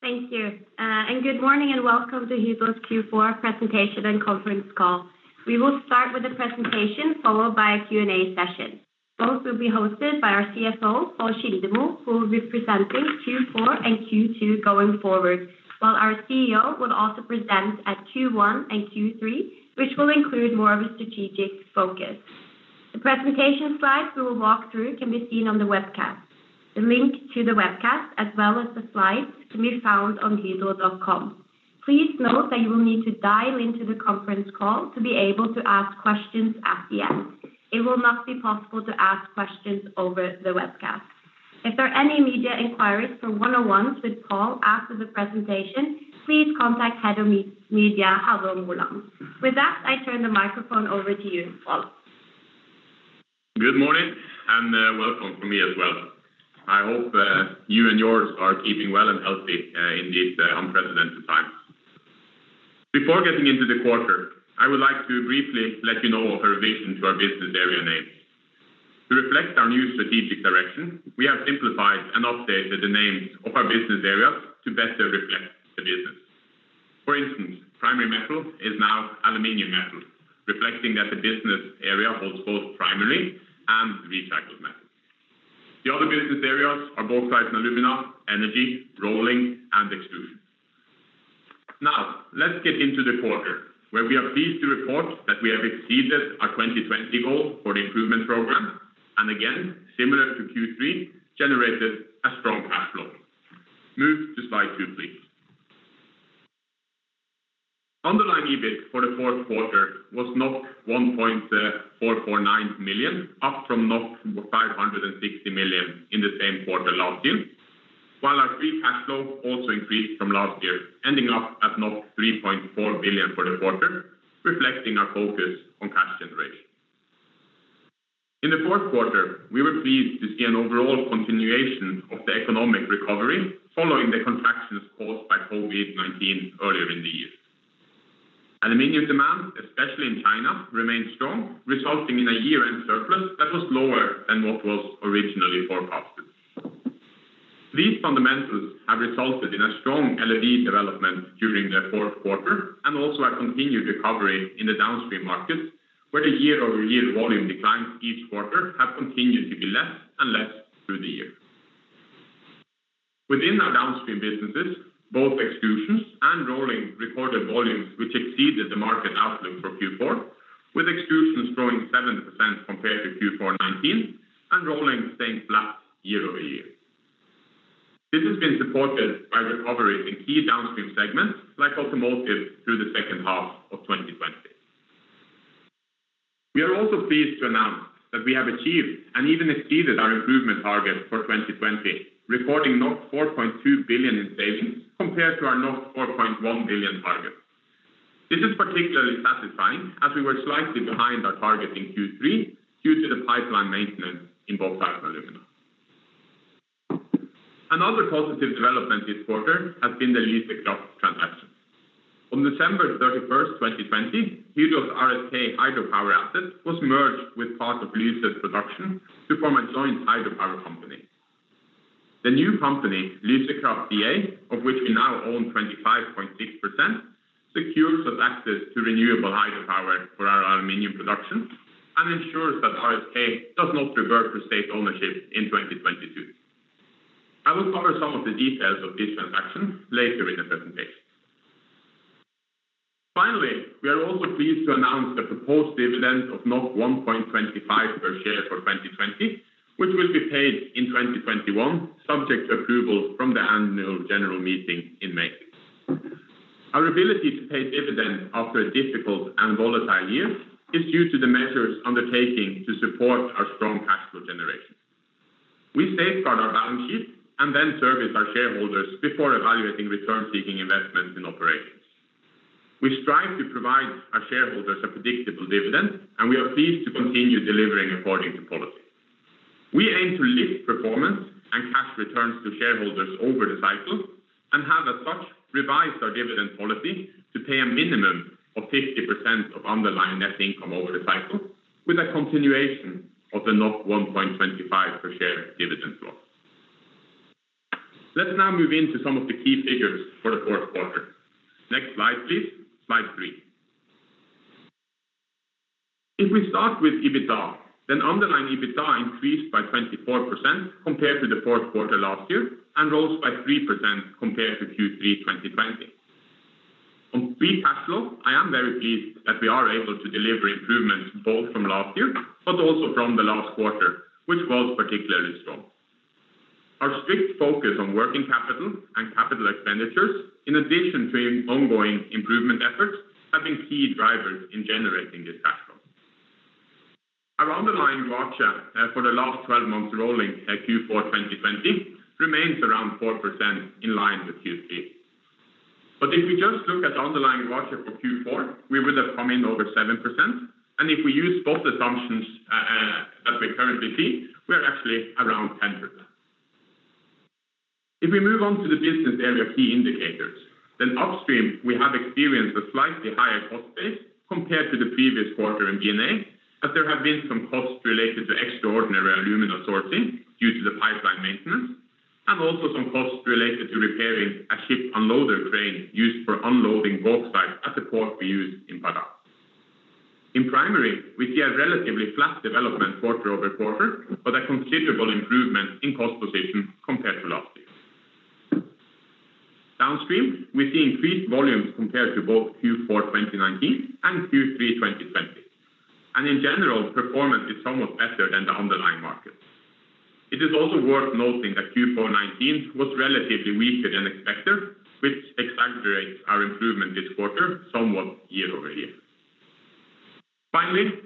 Thank you. Good morning, and welcome to Hydro's Q4 presentation and conference call. We will start with the presentation, followed by a Q&A session. Both will be hosted by our CFO, Pål Kildemo, who will be presenting Q4 and Q2 going forward, while our CEO will also present at Q1 and Q3, which will include more of a strategic focus. The presentation slides we will walk through can be seen on the webcast. The link to the webcast, as well as the slides, can be found on hydro.com. Please note that you will need to dial into the conference call to be able to ask questions at the end. It will not be possible to ask questions over the webcast. If there are any media inquiries for one-on-ones with Pål after the presentation, please contact Head of Media, Halvor Molland. With that, I turn the microphone over to you, Pål. Good morning, and welcome from me as well. I hope you and yours are keeping well and healthy in these unprecedented times. Before getting into the quarter, I would like to briefly let you know of a revision to our business area names. To reflect our new strategic direction, we have simplified and updated the names of our business areas to better reflect the business. For instance, Primary Metal is now Aluminium Metal, reflecting that the business area holds both primary and recycled metal. The other business areas are Bauxite & Alumina, Energy, Rolling, and Extrusions. Now, let's get into the quarter, where we are pleased to report that we have exceeded our 2020 goal for the improvement program and again, similar to Q3, generated a strong cash flow. Move to slide two, please. Underlying EBIT for the fourth quarter was 1.449 million, up from 560 million in the same quarter last year, while our free cash flow also increased from last year, ending up at 3.4 billion for the quarter, reflecting our focus on cash generation. In the fourth quarter, we were pleased to see an overall continuation of the economic recovery following the contractions caused by COVID-19 earlier in the year. Aluminium demand, especially in China, remained strong, resulting in a year-end surplus that was lower than what was originally forecasted. These fundamentals have resulted in a strong LME development during the fourth quarter and also a continued recovery in the downstream markets, where the year-over-year volume declines each quarter have continued to be less and less through the year. Within our downstream businesses, both Extrusions and Rolling recorded volumes which exceeded the market outlook for Q4, with Extrusions growing 70% compared to Q4 2019 and Rolling staying flat year-over-year. This has been supported by recovery in key downstream segments like automotive through the second half of 2020. We are also pleased to announce that we have achieved and even exceeded our improvement target for 2020, recording 4.2 billion in savings compared to our 4.1 billion target. This is particularly satisfying as we were slightly behind our target in Q3 due to the pipeline maintenance in Bauxite & Alumina. Another positive development this quarter has been the Lyse Kraft transaction. On December 31st, 2020, Hydro's RSK hydropower asset was merged with part of Lyse Produksjon to form a joint hydropower company. The new company, Lyse Kraft DA, of which we now own 25.6%, secures us access to renewable hydropower for our aluminum production and ensures that RSK does not revert to state ownership in 2022. I will cover some of the details of this transaction later in the presentation. Finally, we are also pleased to announce the proposed dividend of 1.25 per share for 2020, which will be paid in 2021 subject to approval from the annual general meeting in May. Our ability to pay dividends after a difficult and volatile year is due to the measures undertaking to support our strong cash flow generation. We safeguard our balance sheet and then service our shareholders before evaluating return-seeking investments in operations. We strive to provide our shareholders a predictable dividend, and we are pleased to continue delivering according to policy. We aim to lift performance and cash returns to shareholders over the cycle and have as such revised our dividend policy to pay a minimum of 50% of underlying net income over the cycle with a continuation of the 1.25 per share dividend flow. Let's now move into some of the key figures for the fourth quarter. Next slide, please. Slide three. If we start with EBITA, then underlying EBITA increased by 24% compared to the fourth quarter last year and rose by 3% compared to Q3 2020. On free cash flow, I am very pleased that we are able to deliver improvements both from last year but also from the last quarter, which was particularly strong. Our strict focus on working capital and capital expenditures, in addition to ongoing improvement efforts, have been key drivers in generating this cash flow. Our underlying RoaCE for the last 12 months rolling at Q4 2020 remains around 4%, in line with Q3. If we just look at the underlying RoaCE for Q4, we would have come in over 7%. If we use both assumptions that we currently see, we are actually around 10%. If we move on to the business area key indicators, upstream, we have experienced a slightly higher cost base compared to the previous quarter in B&A, as there have been some costs related to extraordinary alumina sorting due to the pipeline maintenance, and also some costs related to repairing a ship unloader crane used for unloading bauxite at the port we use in Parag. In Primary, we see a relatively flat development quarter-over-quarter, but a considerable improvement in cost position compared to last year. Downstream, we see increased volumes compared to both Q4 2019 and Q3 2020, and in general, performance is somewhat better than the underlying markets. It is also worth noting that Q4 2019 was relatively weaker than expected, which exaggerates our improvement this quarter somewhat year-over-year.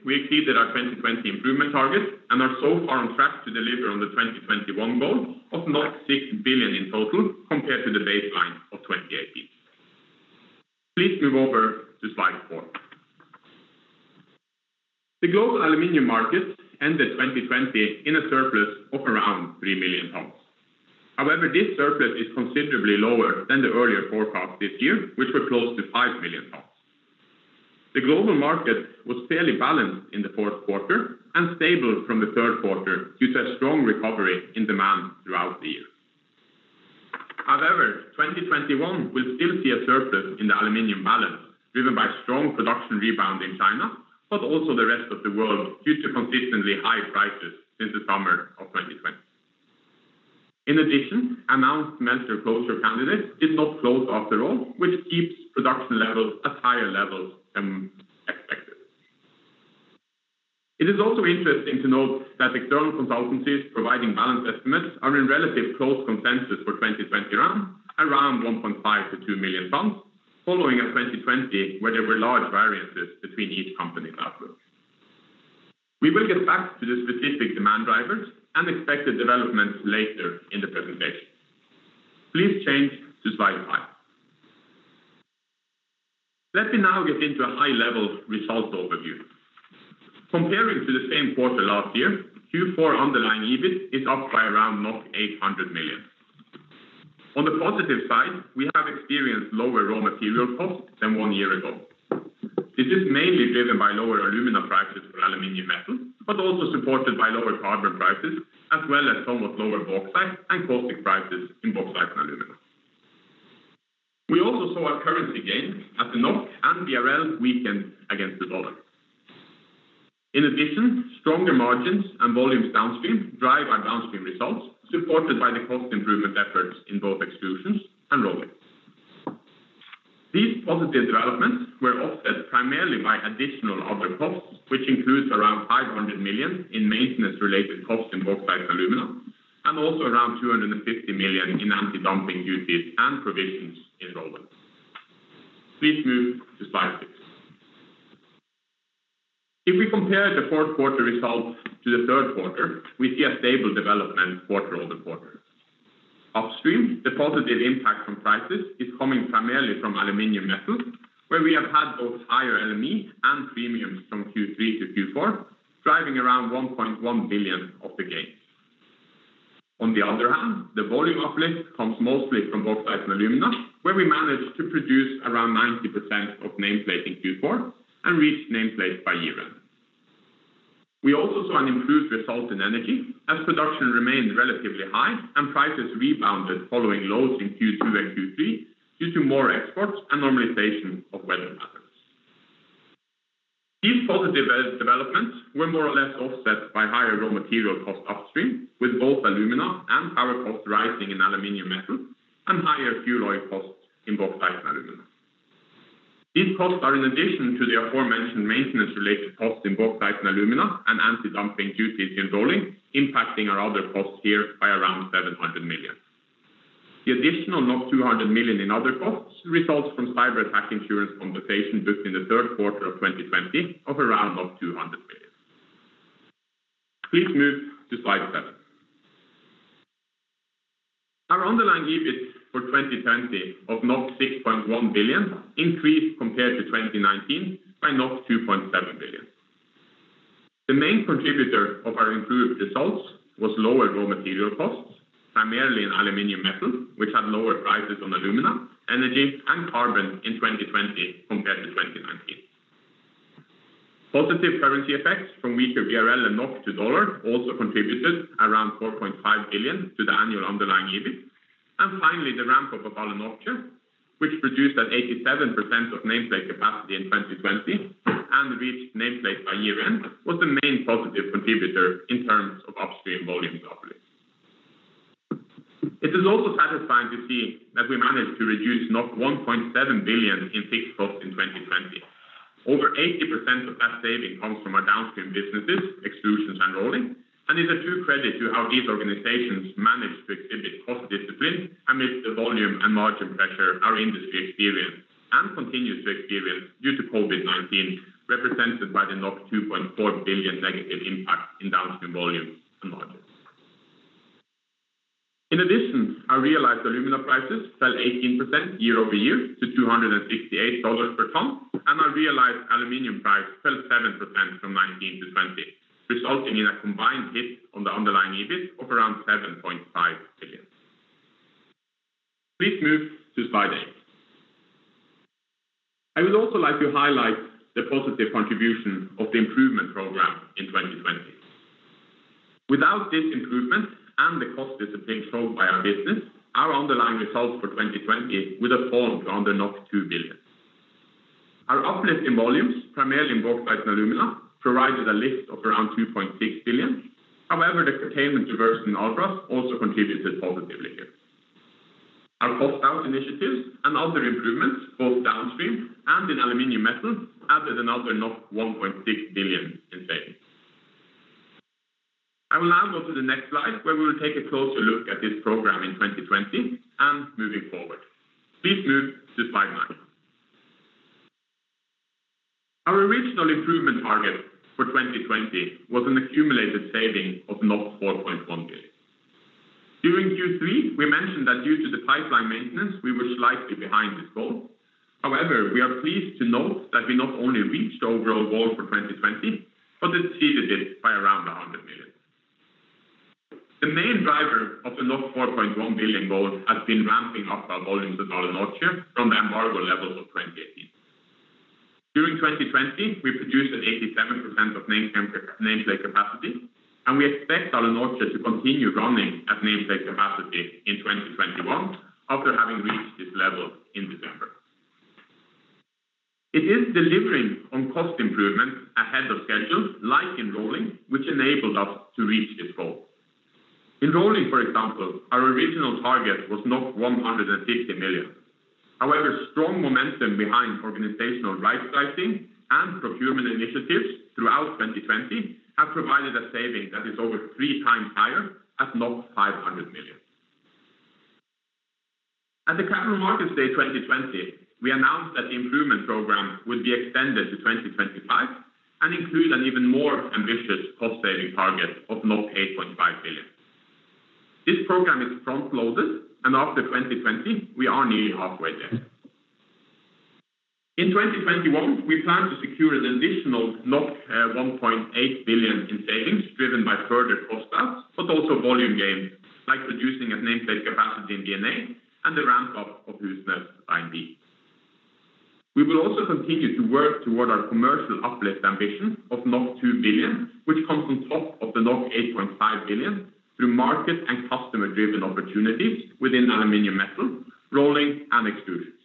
We exceeded our 2020 improvement target and are so far on track to deliver on the 2021 goal of 6 billion in total compared to the baseline of 2018. Please move over to slide four. The global aluminum market ended 2020 in a surplus of around 3 million tons. This surplus is considerably lower than the earlier forecast this year, which were close to 5 million tons. The global market was fairly balanced in the fourth quarter and stable from the third quarter due to a strong recovery in demand throughout the year. However, 2021 will still see a surplus in the aluminum balance driven by strong production rebound in China, but also the rest of the world due to consistently high prices since the summer of 2020. In addition, announced smelter closure candidates did not close after all, which keeps production levels at higher levels than expected. It is also interesting to note that external consultancies providing balance estimates are in relative close consensus for 2020 run around 1.5-2 million tons, following a 2020 where there were large variances between each company outlook. We will get back to the specific demand drivers and expected developments later in the presentation. Please change to slide five. Let me now get into a high-level results overview. Comparing to the same quarter last year, Q4 underlying EBIT is up by around 800 million. On the positive side, we have experienced lower raw material costs than one year ago. This is mainly driven by lower alumina prices for Aluminium Metal, but also supported by lower carbon prices, as well as somewhat lower bauxite and caustic prices in Bauxite & Alumina. We also saw a currency gain as the NOK and BRL weakened against the dollar. In addition, stronger margins and volumes downstream drive our downstream results, supported by the cost improvement efforts in both Extrusions and Rolling. These positive developments were offset primarily by additional other costs, which includes around 500 million in maintenance-related costs in Bauxite & Alumina, and also around 250 million in antidumping duties and provisions in rolling. Please move to slide six. If we compare the fourth quarter results to the third quarter, we see a stable development quarter-over-quarter. Upstream, the positive impact from prices is coming primarily from Aluminium Metal, where we have had both higher LME and premiums from Q3 to Q4, driving around 1.1 billion of the gain. On the other hand, the volume uplift comes mostly from Bauxite & Alumina, where we managed to produce around 90% of nameplate in Q4 and reached nameplate by year-end. We also saw an improved result in Energy as production remained relatively high and prices rebounded following lows in Q2 and Q3 due to more exports and normalization of weather patterns. These positive developments were more or less offset by higher raw material cost upstream, with both alumina and power costs rising in Aluminium Metal and higher fuel oil costs in Bauxite & Alumina. These costs are in addition to the aforementioned maintenance-related costs in Bauxite & Alumina and antidumping duties in rolling, impacting our other costs here by around 700 million. The additional 200 million in other costs results from cyber attack insurance compensation booked in the third quarter of 2020 of around 200 million. Please move to slide seven. Our underlying EBIT for 2020 of 6.1 billion increased compared to 2019 by 2.7 billion. The main contributor of our improved results was lower raw material costs, primarily in Aluminium Metal, which had lower prices on alumina, energy, and carbon in 2020 compared to 2019. Positive currency effects from weaker BRL and NOK to dollar also contributed around 4.5 billion to the annual underlying EBIT. Finally, the ramp-up of Alunorte, which produced at 87% of nameplate capacity in 2020 and reached nameplate by year-end, was the main positive contributor in terms of upstream volume uplift. It is also satisfying to see that we managed to reduce 1.7 billion in fixed costs in 2020. Over 80% of that saving comes from our downstream businesses, Extrusions and Rolling, and is a true credit to how these organizations managed to exhibit cost discipline amidst the volume and margin pressure our industry experienced and continues to experience due to COVID-19, represented by the 2.4 billion negative impact in downstream volume and margins. In addition, our realized alumina prices fell 18% year-over-year to $268 per ton, and our realized aluminum price fell 7% from 2019 to 2020. Resulting in a combined hit on the underlying EBIT of around 7.5 billion. Please move to slide eight. I would also like to highlight the positive contribution of the improvement program in 2020. Without this improvement and the cost discipline shown by our business, our underlying results for 2020 would have fallen to under 2 billion. Our uplift in volumes, primarily in Bauxite & Alumina, provided a lift of around 2.6 billion. The containment efforts in Albras also contributed positively here. Our cost out initiatives and other improvements, both downstream and in Aluminium Metal, added another 1.6 billion in savings. I will now go to the next slide where we will take a closer look at this program in 2020 and moving forward. Please move to slide nine. Our original improvement target for 2020 was an accumulated saving of 4.1 billion. During Q3, we mentioned that due to the pipeline maintenance, we were slightly behind this goal. We are pleased to note that we not only reached the overall goal for 2020 but exceeded it by around 100 million. The main driver of the 4.1 billion goal has been ramping up our volumes at Alunorte from the embargo levels of 2018. During 2020, we produced an 87% of nameplate capacity, and we expect Alunorte to continue running at nameplate capacity in 2021 after having reached this level in December. It is delivering on cost improvements ahead of schedule like in rolling, which enabled us to reach this goal. In rolling, for example, our original target was 150 million. Strong momentum behind organizational rightsizing and procurement initiatives throughout 2020 have provided a saving that is over three times higher at 500 million. At the Capital Markets Day 2020, we announced that the improvement program would be extended to 2025 and include an even more ambitious cost-saving target of 8.5 billion. This program is front-loaded and after 2020, we are nearly halfway there. In 2021, we plan to secure an additional NOK 1.8 billion in savings driven by further cost out, but also volume gain, like producing at nameplate capacity in B&A and the ramp-up of Husnes Line B. We will also continue to work toward our commercial uplift ambition of 2 billion, which comes on top of the 8.5 billion through market and customer-driven opportunities within Aluminium Metal, Rolling, and Extrusions.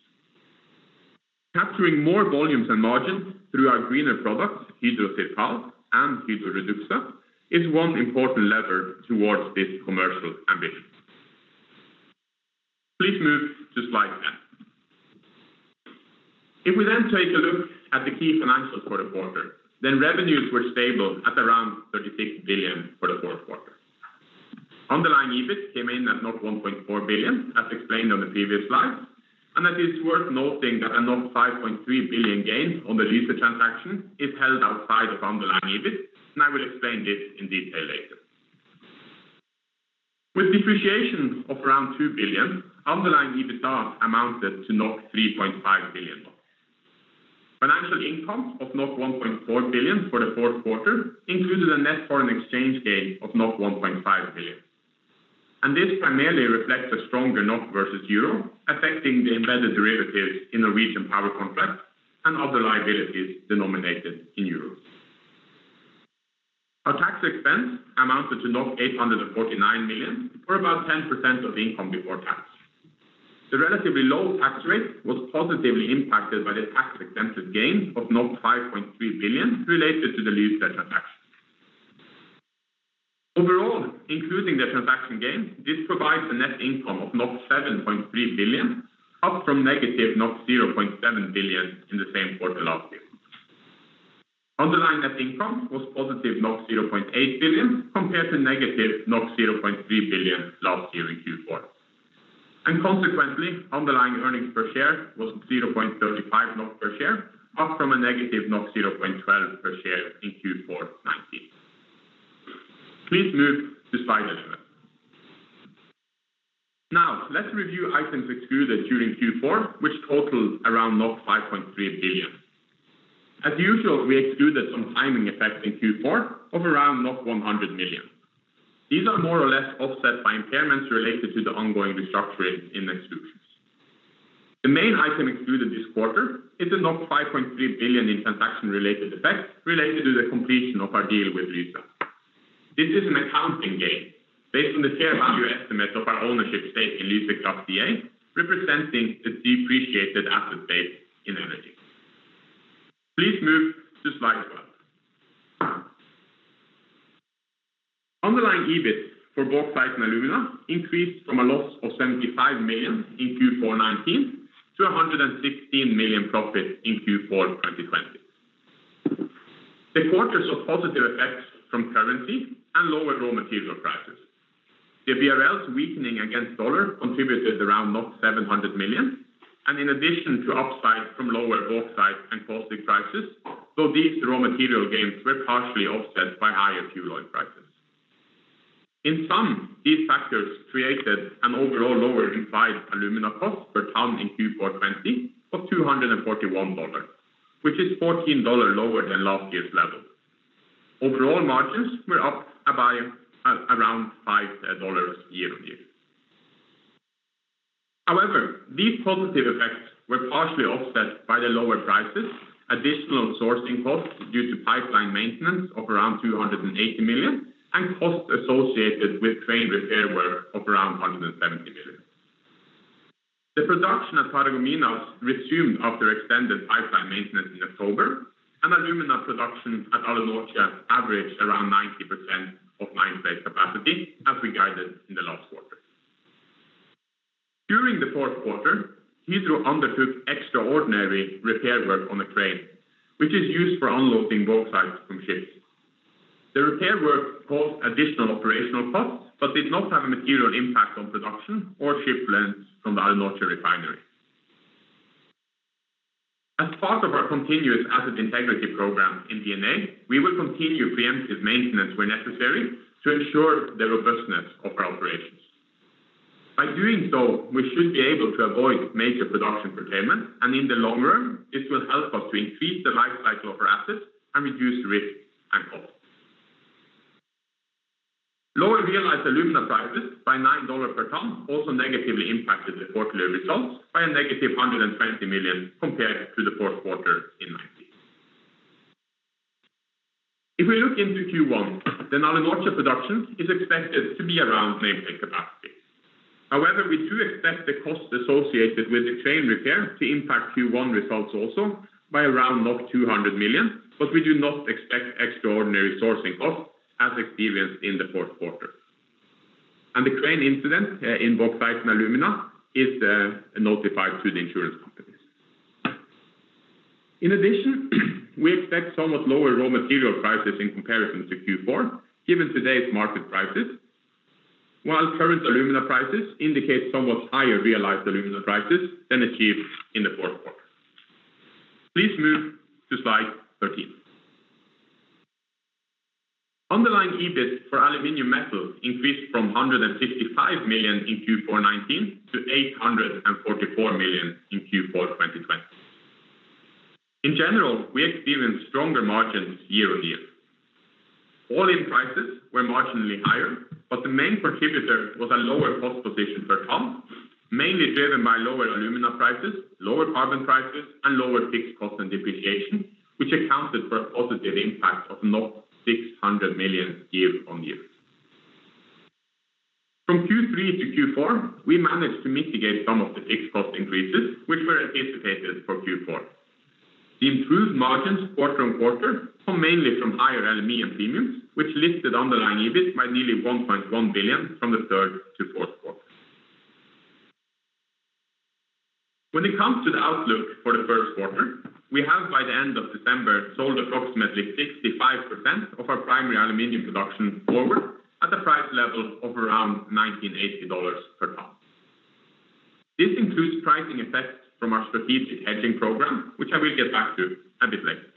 Capturing more volumes and margins through our greener products, Hydro CIRCAL and Hydro REDUXA, is one important lever towards this commercial ambition. Please move to slide 10. If we take a look at the key financials for the quarter, revenues were stable at around 36 billion for the fourth quarter. Underlying EBIT came in at 1.4 billion, as explained on the previous slide, it is worth noting that a 5.3 billion gain on the Lyse transaction is held outside of underlying EBIT, I will explain this in detail later. With depreciation of around 2 billion, underlying EBITA amounted to 3.5 billion. Financial income of 1.4 billion for the fourth quarter included a net foreign exchange gain of 1.5 billion. This primarily reflects a stronger NOK versus Euro, affecting the embedded derivatives in Norwegian power contracts and other liabilities denominated in Euro. Our tax expense amounted to 849 million, or about 10% of income before tax. The relatively low tax rate was positively impacted by the tax-exempted gain of 5.3 billion related to the Lyse transaction. Overall, including the transaction gain, this provides a net income of 7.3 billion, up from negative 0.7 billion in the same quarter last year. Underlying net income was positive 0.8 billion compared to negative 0.3 billion last year in Q4. Consequently, underlying earnings per share was 0.35 NOK per share, up from a negative 0.12 per share in Q4 2019. Please move to slide 11. Now, let's review items excluded during Q4, which total around 5.3 billion. As usual, we excluded some timing effects in Q4 of around 100 million. These are more or less offset by impairments related to the ongoing restructuring in Extrusions. The main item excluded this quarter is the 5.3 billion in transaction-related effects related to the completion of our deal with Lyse. This is an accounting gain based on the fair value estimate of our ownership stake in Lyse Kraft DA, representing the depreciated asset base in Energy. Please move to slide 12. Underlying EBIT for Bauxite & Alumina increased from a loss of 75 million in Q4 2019 to 116 million profit in Q4 2020. The quarter saw positive effects from currency and lower raw material prices. The BRL's weakening against dollar contributed around 700 million, and in addition to upside from lower bauxite and caustic prices, though these raw material gains were partially offset by higher fuel oil prices. In sum, these factors created an overall lower implied alumina cost per ton in Q4 2020 of $241, which is $14 lower than last year's level. Overall margins were up by around NOK 5 year-on-year. These positive effects were partially offset by the lower prices, additional sourcing costs due to pipeline maintenance of around 280 million, and costs associated with crane repair work of around 170 million. The production at Paragominas resumed after extended pipeline maintenance in October, and alumina production at Alunorte averaged around 90% of nameplate capacity, as we guided in the last quarter. During the fourth quarter, Hydro undertook extraordinary repair work on the crane, which is used for unloading bauxite from ships. The repair work caused additional operational costs but did not have a material impact on production or shipments from the Alunorte refinery. As part of our continuous asset integrity program in B&A, we will continue preemptive maintenance where necessary to ensure the robustness of our operations. By doing so, we should be able to avoid major production curtailment, and in the long run, it will help us to increase the life cycle of our assets and reduce risk and cost. Lower realized alumina prices by $9 per ton also negatively impacted the quarterly results by a negative 120 million compared to the fourth quarter in 2019. If we look into Q1, Alunorte production is expected to be around nameplate capacity. However, we do expect the costs associated with the crane repair to impact Q1 results also by around 200 million, but we do not expect extraordinary sourcing costs as experienced in the fourth quarter. The crane incident in Bauxite & Alumina is notified to the insurance companies. In addition, we expect somewhat lower raw material prices in comparison to Q4, given today's market prices, while current alumina prices indicate somewhat higher realized alumina prices than achieved in the fourth quarter. Please move to slide 13. Underlying EBIT for Aluminium Metal increased from 155 million in Q4 2019 to 844 million in Q4 2020. In general, we experienced stronger margins year-on-year. All-in prices were marginally higher, but the main contributor was a lower cost position per ton, mainly driven by lower alumina prices, lower carbon prices, and lower fixed cost and depreciation, which accounted for a positive impact of 600 million year-on-year. From Q3 to Q4, we managed to mitigate some of the fixed cost increases, which were anticipated for Q4. The improved margins quarter-on-quarter come mainly from higher LME and premiums, which lifted underlying EBIT by nearly 1.1 billion from the third to fourth quarter. When it comes to the outlook for the first quarter, we have by the end of December, sold approximately 65% of our primary aluminum production forward at a price level of around NOK 1,980 per ton. This includes pricing effects from our strategic hedging program, which I will get back to a bit later.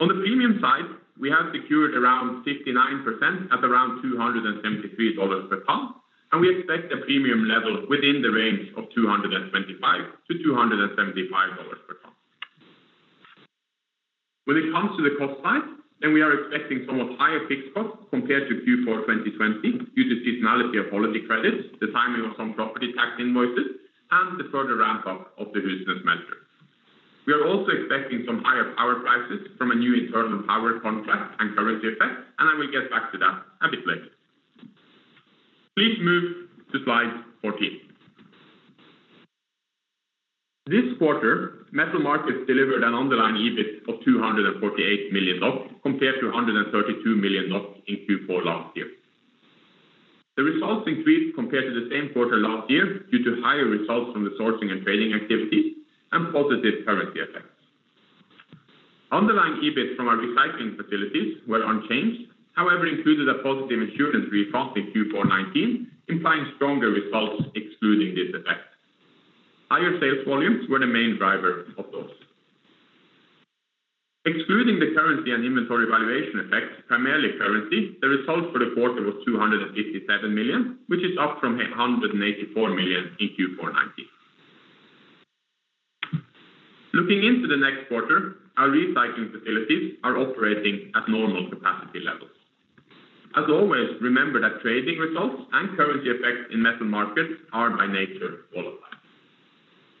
On the premium side, we have secured around 69% at around NOK 273 per ton, and we expect a premium level within the range of NOK 225-NOK 275 per ton. When it comes to the cost side, we are expecting somewhat higher fixed costs compared to Q4 2020 due to seasonality of policy credits, the timing of some property tax invoices, and the further ramp-up of the Husnes smelter. We are also expecting some higher power prices from a new internal power contract and currency effects, and I will get back to that a bit later. Please move to slide 14. This quarter, Aluminium Metal delivered an underlying EBIT of 248 million NOK, compared to 132 million NOK in Q4 last year. The results increased compared to the same quarter last year due to higher results from the sourcing and trading activities and positive currency effects. Underlying EBIT from our recycling facilities were unchanged, however, included a positive insurance refund in Q4 2019, implying stronger results excluding this effect. Higher sales volumes were the main driver of those. Excluding the currency and inventory valuation effects, primarily currency, the result for the quarter was 257 million, which is up from 184 million in Q4 2019. Looking into the next quarter, our recycling facilities are operating at normal capacity levels. As always, remember that trading results and currency effects in metal markets are by nature volatile.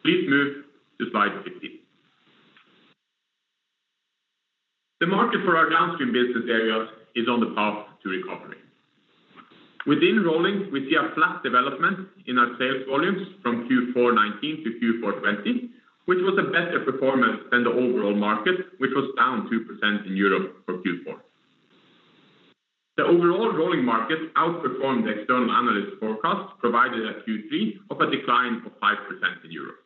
Please move to slide 15. The market for our downstream business areas is on the path to recovery. Within Rolling, we see a flat development in our sales volumes from Q4 2019 to Q4 2020, which was a better performance than the overall market, which was down 2% in Europe for Q4. The overall rolling market outperformed the external analyst forecast, provided at Q3, of a decline of 5% in Europe.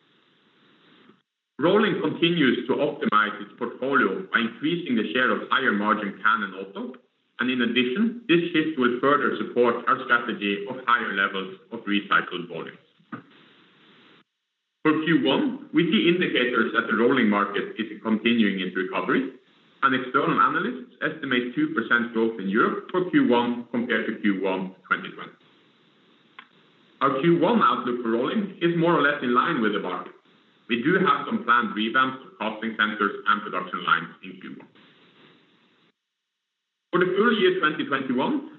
Rolling continues to optimize its portfolio by increasing the share of higher margin can and auto, and in addition, this shift will further support our strategy of higher levels of recycled volumes. For Q1, we see indicators that the rolling market is continuing its recovery, and external analysts estimate 2% growth in Europe for Q1 compared to Q1 2020. Our Q1 outlook for Rolling is more or less in line with the market. We do have some planned revamps for casting centers and production lines in Q1. For the full year 2021,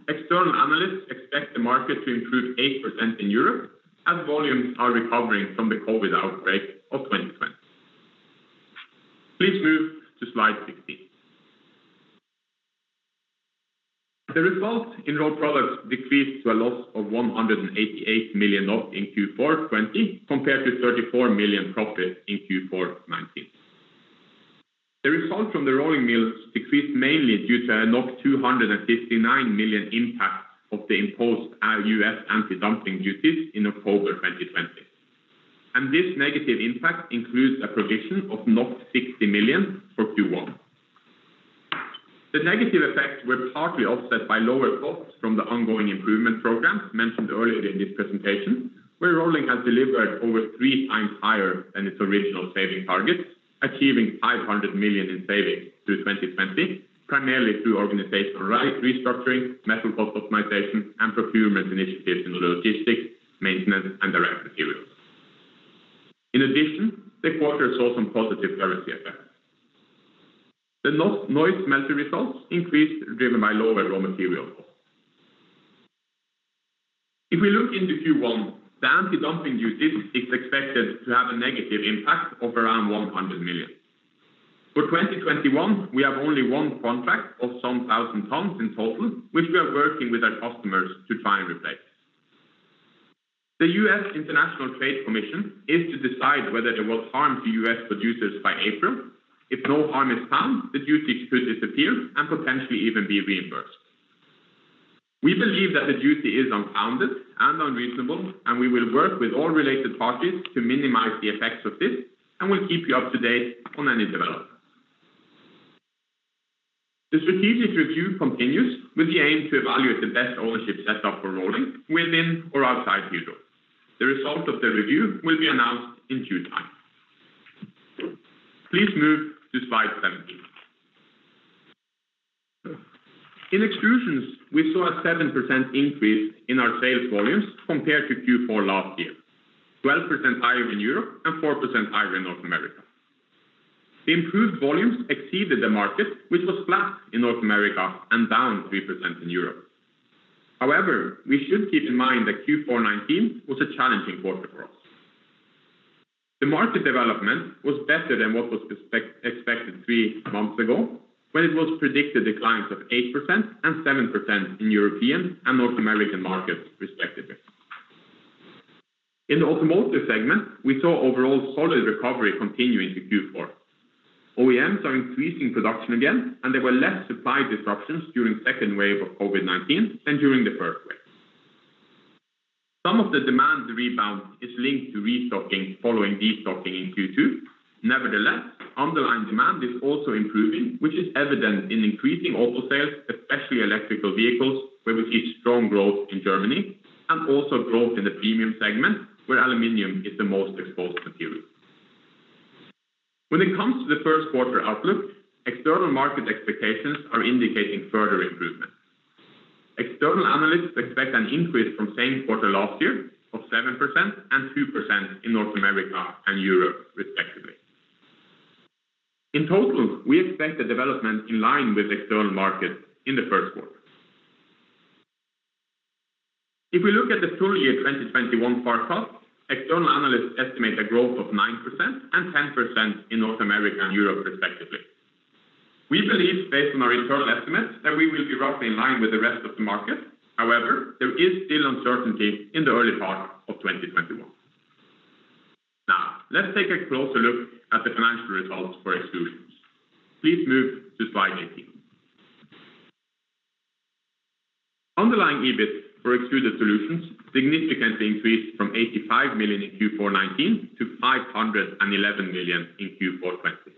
external analysts expect the market to improve 8% in Europe as volumes are recovering from the COVID outbreak of 2020. Please move to slide 16. The results in Rolled Products decreased to a loss of 188 million in Q4 2020, compared to 34 million profit in Q4 2019. The result from the rolling mills decreased mainly due to a 259 million impact of the imposed U.S. antidumping duties in October 2020. This negative impact includes a provision of 60 million for Q1. The negative effects were partly offset by lower costs from the ongoing improvement program mentioned earlier in this presentation, where Rolling has delivered over three times higher than its original saving target, achieving 500 million in savings through 2020, primarily through organizational restructuring, metal cost optimization, and procurement initiatives in logistics, maintenance, and direct materials. In addition, the quarter saw some positive currency effects. The Norsk smelter results increased, driven by lower raw material costs. If we look into Q1, the antidumping duties is expected to have a negative impact of around 100 million. For 2021, we have only one contract of some 1,000 tons in total, which we are working with our customers to try and replace. The U.S. International Trade Commission is to decide whether there was harm to U.S. producers by April. If no harm is found, the duties could disappear and potentially even be reimbursed. We believe that the duty is unfounded and unreasonable. We will work with all related parties to minimize the effects of this and will keep you up to date on any developments. The strategic review continues with the aim to evaluate the best ownership set up for Rolling within or outside Hydro. The result of the review will be announced in due time. Please move to slide 17. In Extrusions, we saw a 7% increase in our sales volumes compared to Q4 last year, 12% higher in Europe and 4% higher in North America. The improved volumes exceeded the market, which was flat in North America and down 3% in Europe. We should keep in mind that Q4 2019 was a challenging quarter for us. The market development was better than what was expected three months ago, when it was predicted declines of 8% and 7% in European and North American markets respectively. In the automotive segment, we saw overall solid recovery continue into Q4. OEMs are increasing production again, and there were less supply disruptions during second wave of COVID-19 than during the first wave. Some of the demand rebound is linked to restocking following destocking in Q2. Nevertheless, underlying demand is also improving, which is evident in increasing auto sales, especially electrical vehicles, where we see strong growth in Germany, and also growth in the premium segment, where aluminum is the most exposed material. When it comes to the first quarter outlook, external market expectations are indicating further improvement. External analysts expect an increase from same quarter last year of 7% and 2% in North America and Europe, respectively. In total, we expect the development in line with external market in the first quarter. If we look at the full year 2021 forecast, external analysts estimate a growth of 9% and 10% in North America and Europe respectively. We believe, based on our internal estimates, that we will be roughly in line with the rest of the market. However, there is still uncertainty in the early part of 2021. Now, let's take a closer look at the financial results for Extrusions. Please move to slide 18. Underlying EBIT for Extruded Solutions significantly increased from 85 million in Q4 2019 to 511 million in Q4 2020.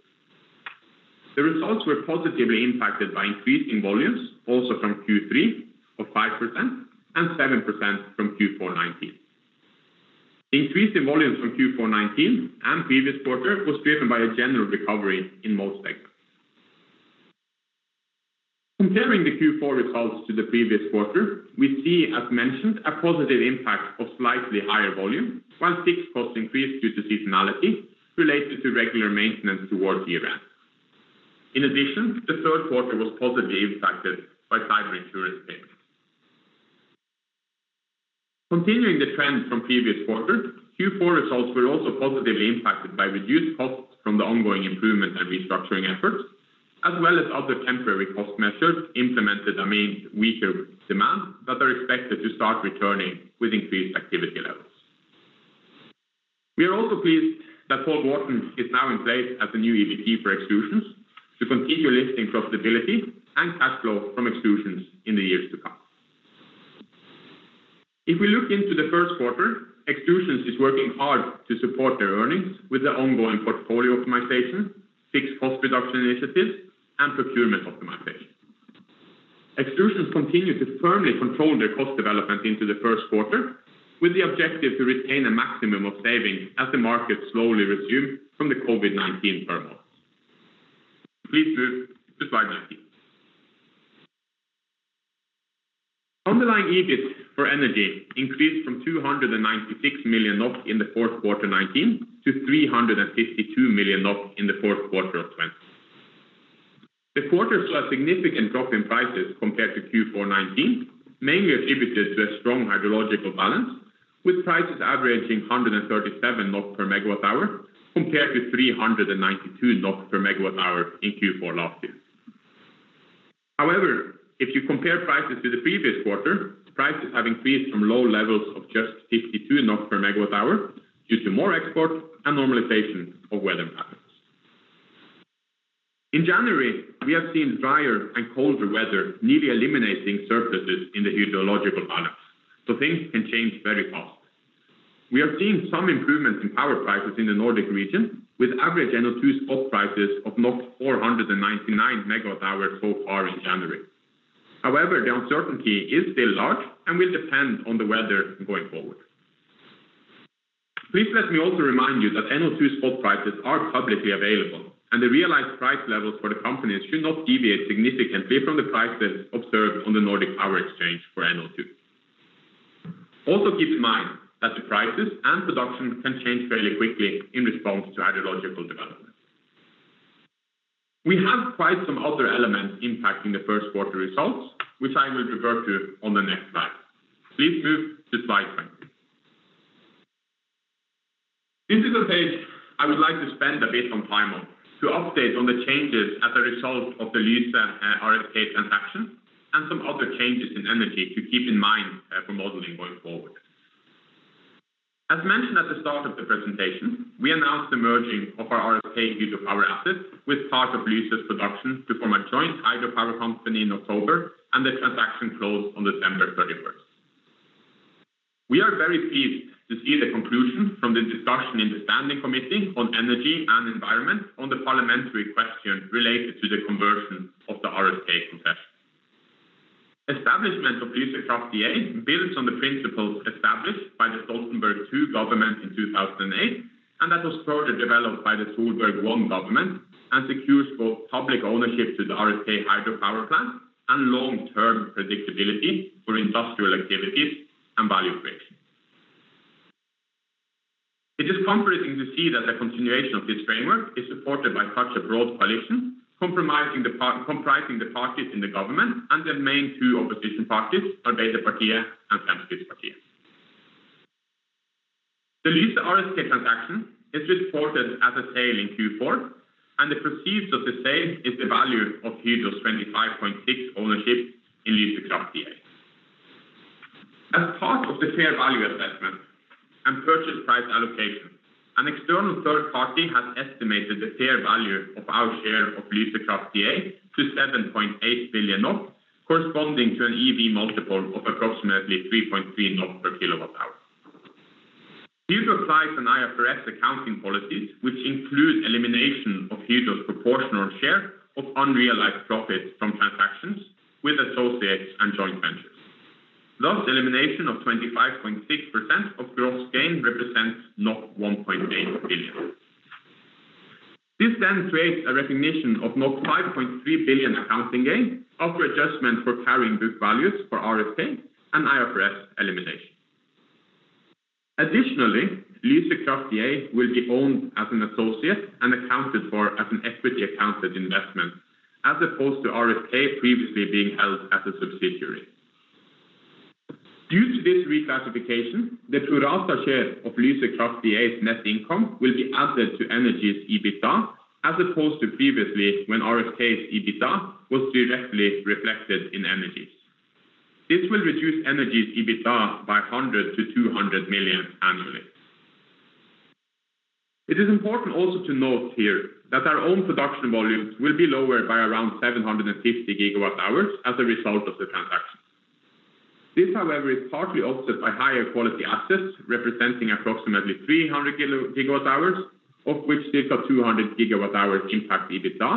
The results were positively impacted by increasing volumes also from Q3 of 5% and 7% from Q4 2019. The increase in volumes from Q4 2019 and previous quarter was driven by a general recovery in most segments. Comparing the Q4 results to the previous quarter, we see, as mentioned, a positive impact of slightly higher volume, while fixed costs increased due to seasonality related to regular maintenance towards year end. In addition, the third quarter was positively impacted by cyber insurance payments. Continuing the trend from previous quarters, Q4 results were also positively impacted by reduced costs from the ongoing improvement and restructuring efforts, as well as other temporary cost measures implemented amid weaker demand that are expected to start returning with increased activity levels. We are also pleased that Paul Warton is now in place as the new EVP for Extrusions to continue lifting profitability and cash flow from Extrusions in the years to come. If we look into the first quarter, Extrusions is working hard to support their earnings with the ongoing portfolio optimization, fixed cost reduction initiatives, and procurement optimization. Extrusions continue to firmly control their cost development into the first quarter, with the objective to retain a maximum of savings as the market slowly resumes from the COVID-19 turmoil. Please move to slide 19. Underlying EBIT for Energy increased from 296 million NOK in the fourth quarter 2019 to 352 million NOK in the fourth quarter of 2020. The quarter saw a significant drop in prices compared to Q4 2019, mainly attributed to a strong hydrological balance, with prices averaging 137 per megawatt hour, compared to 392 per megawatt hour in Q4 last year. If you compare prices to the previous quarter, prices have increased from low levels of just 52 per megawatt hour due to more export and normalization of weather patterns. In January, we have seen drier and colder weather, nearly eliminating surpluses in the hydrological balance, so things can change very fast. We have seen some improvements in power prices in the Nordic region, with average NO2 spot prices of 499 MWh so far in January. The uncertainty is still large and will depend on the weather going forward. Please let me also remind you that NO2 spot prices are publicly available, and the realized price levels for the company should not deviate significantly from the prices observed on the Nordic power exchange for NO2. Keep in mind that the prices and production can change fairly quickly in response to hydrological development. We have quite some other elements impacting the first quarter results, which I will refer to on the next slide. Please move to slide 20. This is a page I would like to spend a bit on time on to update on the changes as a result of the Lyse/RSK transaction and some other changes in Energy to keep in mind for modeling going forward. As mentioned at the start of the presentation, we announced the merging of our RSK hydropower asset with part of Lyse's production to form a joint hydropower company in October, and the transaction closed on December 31st. We are very pleased to see the conclusion from the discussion in the Standing Committee on Energy and the Environment on the parliamentary question related to the conversion of the RSK concession. Establishment of Lyse Kraft DA builds on the principles established by the Stoltenberg II government in 2008, that was further developed by the Solberg I government, and secures both public ownership to the RSK hydropower plant and long-term predictability for industrial activities and value creation. It is comforting to see that the continuation of this framework is supported by such a broad coalition, comprising the parties in the government and the main two opposition parties, Arbeiderpartiet and Fremskrittspartiet. The Lyse RSK transaction is reported as a sale in Q4, the proceeds of the sale is the value of Hydro's 25.6 ownership in Lyse Kraft DA. As part of the fair value assessment and purchase price allocation, an external third party has estimated the fair value of our share of Lyse Kraft DA to 7.8 billion, corresponding to an EV multiple of approximately 3.3 per kilowatt hour. Hydro applies IFRS accounting policies, which include elimination of Hydro's proportional share of unrealized profits from transactions with associates and joint ventures. Elimination of 25.6% of gross gain represents 1.8 billion. This creates a recognition of 5.3 billion accounting gain after adjustment for carrying book values for RSK and IFRS elimination. Additionally, Lyse Kraft DA will be owned as an associate and accounted for as an equity accounted investment, as opposed to RSK previously being held as a subsidiary. Due to this reclassification, the pro-rata share of Lyse Kraft DA's net income will be added to Energy's EBITDA, as opposed to previously, when RSK's EBITDA was directly reflected in Energy's. This will reduce Energy's EBITDA by 100 million-200 million annually. It is important also to note here that our own production volumes will be lower by around 750 GWh as a result of the transaction. This, however, is partly offset by higher quality assets, representing approximately 300 GWh, of which circa 200 GWh impact EBITDA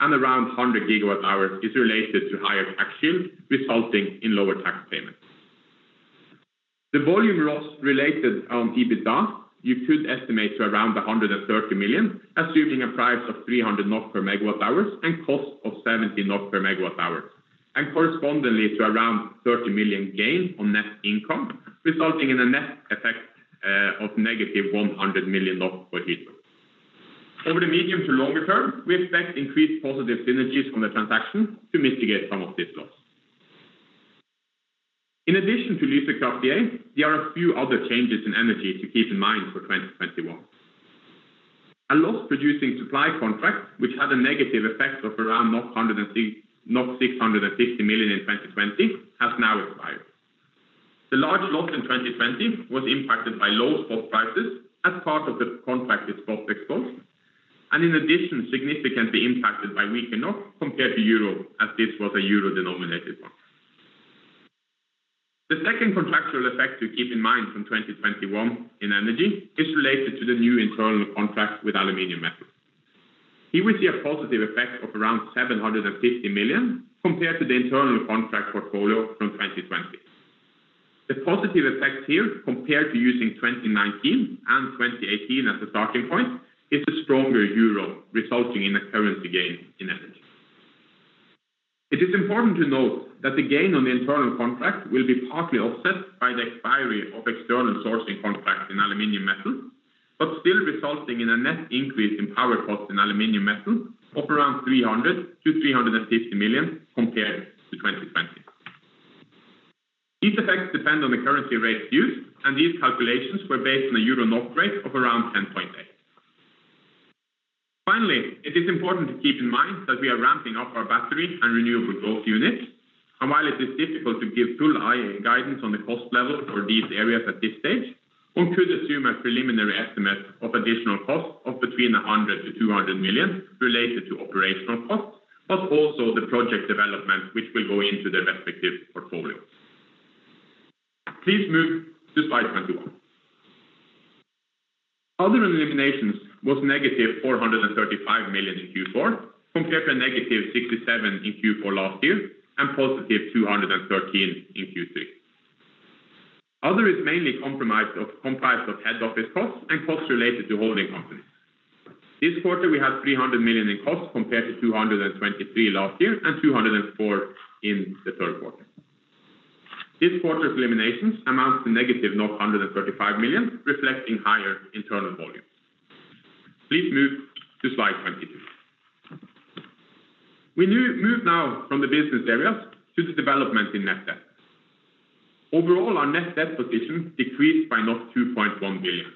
and around 100 GWh is related to higher tax shield, resulting in lower tax payments. The volume loss related on EBITDA, you could estimate to around 130 million, assuming a price of 300 per megawatt hour and cost of 70 per megawatt hour, and correspondingly to around 30 million gain on net income, resulting in a net effect of -100 million for Hydro. Over the medium to longer-term, we expect increased positive synergies from the transaction to mitigate some of this loss. In addition to Lyse Kraft DA, there are a few other changes in Energy to keep in mind for 2021. A loss-producing supply contract, which had a negative effect of around 650 million in 2020, has now expired. The large loss in 2020 was impacted by low spot prices as part of the contracted spot exposed, and in addition, significantly impacted by weaker NOK compared to Euro, as this was a Euro-denominated one. The second contractual effect to keep in mind from 2021 in Energy is related to the new internal contract with Aluminium Metal. Here we see a positive effect of around 750 million compared to the internal contract portfolio from 2020. The positive effect here compared to using 2019 and 2018 as a starting point, is a stronger Euro resulting in a currency gain in Energy. It is important to note that the gain on the internal contract will be partly offset by the expiry of external sourcing contracts in Aluminium Metal, but still resulting in a net increase in power costs in Aluminium Metal of around 300 million-350 million compared to 2020. These effects depend on the currency rates used, and these calculations were based on a Euro/NOK rate of around 10.8. It is important to keep in mind that we are ramping up our battery and renewable growth units, and while it is difficult to give full guidance on the cost level for these areas at this stage, one could assume a preliminary estimate of additional costs of between 100 million-200 million related to operational costs, but also the project development which will go into their respective portfolios. Please move to slide 21. Other eliminations was -435 million in Q4 compared to -67 in Q4 last year and +213 in Q3. Other is mainly comprised of head office costs and costs related to holding companies. This quarter we had 300 million in costs compared to 223 last year and 204 in the third quarter. This quarter's eliminations amount to -135 million, reflecting higher internal volumes. Please move to slide 22. We move now from the business areas to the development in net debt. Overall, our net debt position decreased by 2.1 billion.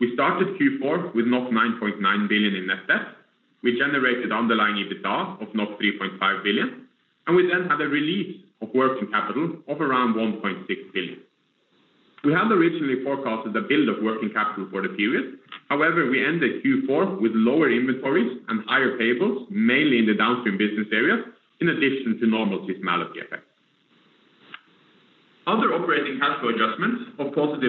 We started Q4 with 9.9 billion in net debt. We generated underlying EBITDA of 3.5 billion, and we then had a release of working capital of around 1.6 billion. We had originally forecasted a build of working capital for the period. We ended Q4 with lower inventories and higher payables, mainly in the downstream business area, in addition to normal seasonality effects. Other operating cash flow adjustments of +0.4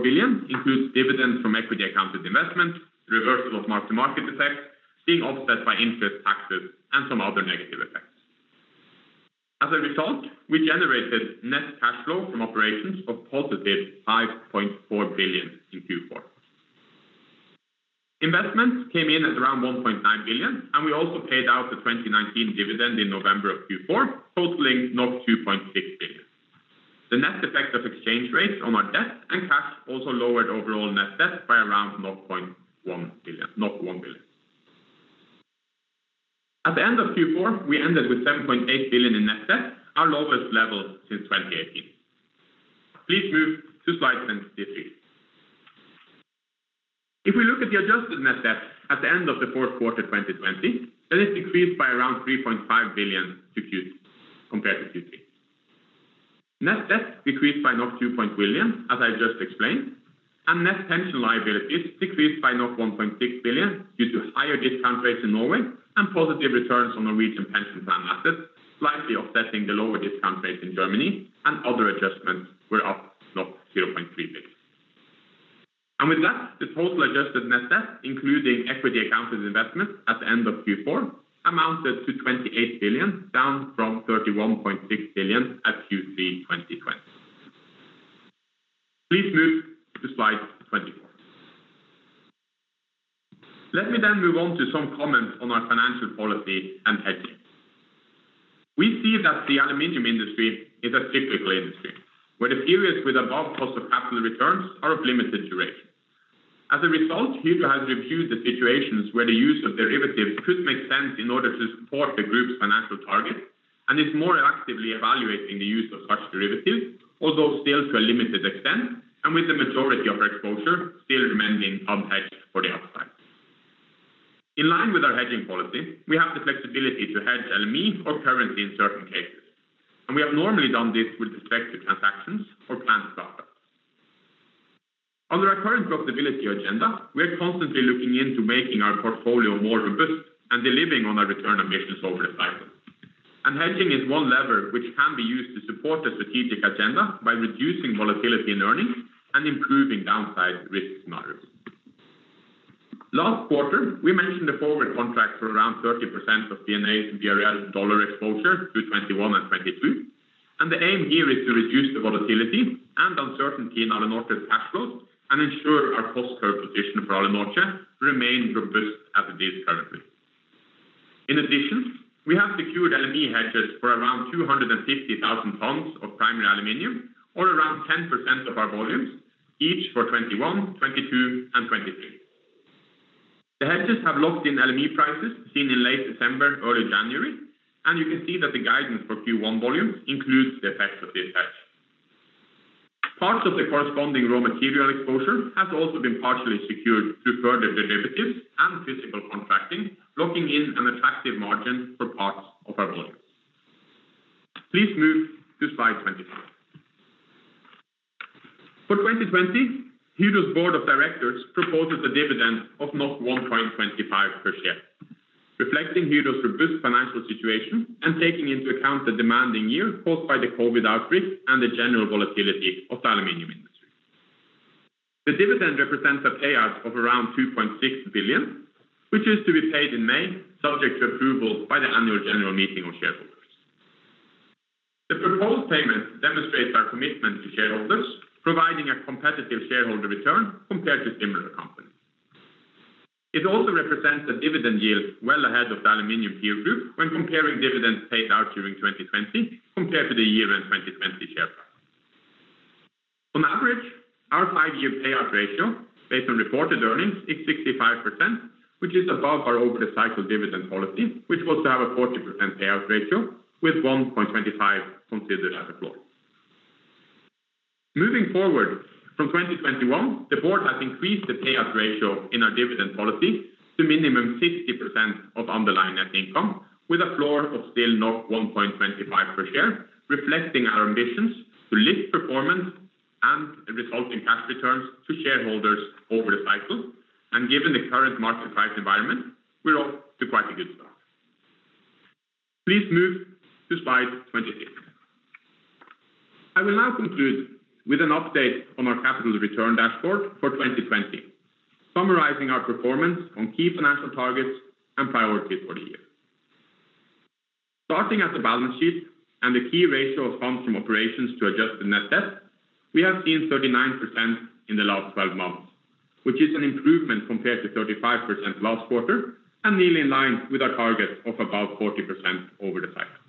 billion includes dividends from equity accounted investment, reversal of mark-to-market effects being offset by interest, taxes, and some other negative effects. We generated net cash flow from operations of +5.4 billion in Q4. Investments came in at around 1.9 billion, and we also paid out the 2019 dividend in November of Q4, totaling 2.6 billion. The net effect of exchange rates on our debt and cash also lowered overall net debt by around 1 billion. At the end of Q4, we ended with 7.8 billion in net debt, our lowest level since 2018. Please move to slide 23. If we look at the adjusted net debt at the end of the fourth quarter 2020, that has decreased by around 3.5 billion compared to Q3. Net debt decreased by 2. billion, as I just explained, and net pension liabilities decreased by 1.6 billion due to higher discount rates in Norway and positive returns on Norwegian pension plan assets, slightly offsetting the lower discount rates in Germany. Other adjustments were up 0.3 billion. With that, the total adjusted net debt, including equity accounted investments at the end of Q4 amounted to 28 billion, down from 31.6 billion at Q3 2020. Please move to slide 24. Let me then move on to some comments on our financial policy and hedging. We see that the aluminium industry is a cyclical industry, where the periods with above cost of capital returns are of limited duration. As a result, Hydro has reviewed the situations where the use of derivatives could make sense in order to support the group's financial targets and is more actively evaluating the use of such derivatives, although still to a limited extent, and with the majority of our exposure still remaining unhedged for the upside. In line with our hedging policy, we have the flexibility to hedge LME or currency in certain cases, and we have normally done this with respect to transactions or planned startups. On our current profitability agenda, we are constantly looking into making our portfolio more robust and delivering on our return ambitions over the cycle. Hedging is one lever which can be used to support the strategic agenda by reducing volatility in earnings and improving downside risk scenarios. Last quarter, we mentioned a forward contract for 30% of B&A to BRL/dollar exposure to 2021 and 2022. The aim here is to reduce the volatility and uncertainty in Alunorte's cash flows and ensure our cost curve position for Alunorte remains robust as it is currently. In addition, we have secured LME hedges for 250,000 tons of primary aluminum or 10% of our volumes, each for 2021, 2022, and 2023. The hedges have locked in LME prices seen in late December, early January. You can see that the guidance for Q1 volumes includes the effects of these hedges. Parts of the corresponding raw material exposure has also been partially secured through further derivatives and physical contracting, locking in an attractive margin for parts of our volumes. Please move to slide 25. For 2020, Hydro's Board of Directors proposed a dividend of 1.25 per share, reflecting Hydro's robust financial situation and taking into account the demanding year caused by the COVID outbreak and the general volatility of the aluminum industry. The dividend represents a payout of around 2.6 billion, which is to be paid in May, subject to approval by the annual general meeting of shareholders. The proposed payment demonstrates our commitment to shareholders, providing a competitive shareholder return compared to similar companies. It also represents a dividend yield well ahead of the aluminum peer group when comparing dividends paid out during 2020 compared to the year-end 2020 share price. On average, our five-year payout ratio based on reported earnings is 65%, which is above our over the cycle dividend policy, which was to have a 40% payout ratio with 1.25 considered as a floor. Moving forward from 2021, the board has increased the payout ratio in our dividend policy to minimum 60% of underlying net income with a floor of still 1.25 per share, reflecting our ambitions to lift performance and the resulting cash returns to shareholders over the cycle. Given the current market price environment, we're off to quite a good start. Please move to slide 28. I will now conclude with an update on our capital return dashboard for 2020, summarizing our performance on key financial targets and priorities for the year. Starting at the balance sheet and the key ratio of funds from operations to adjusted net debt, we have seen 39% in the last 12 months, which is an improvement compared to 35% last quarter and nearly in line with our target of about 40% over the cycle.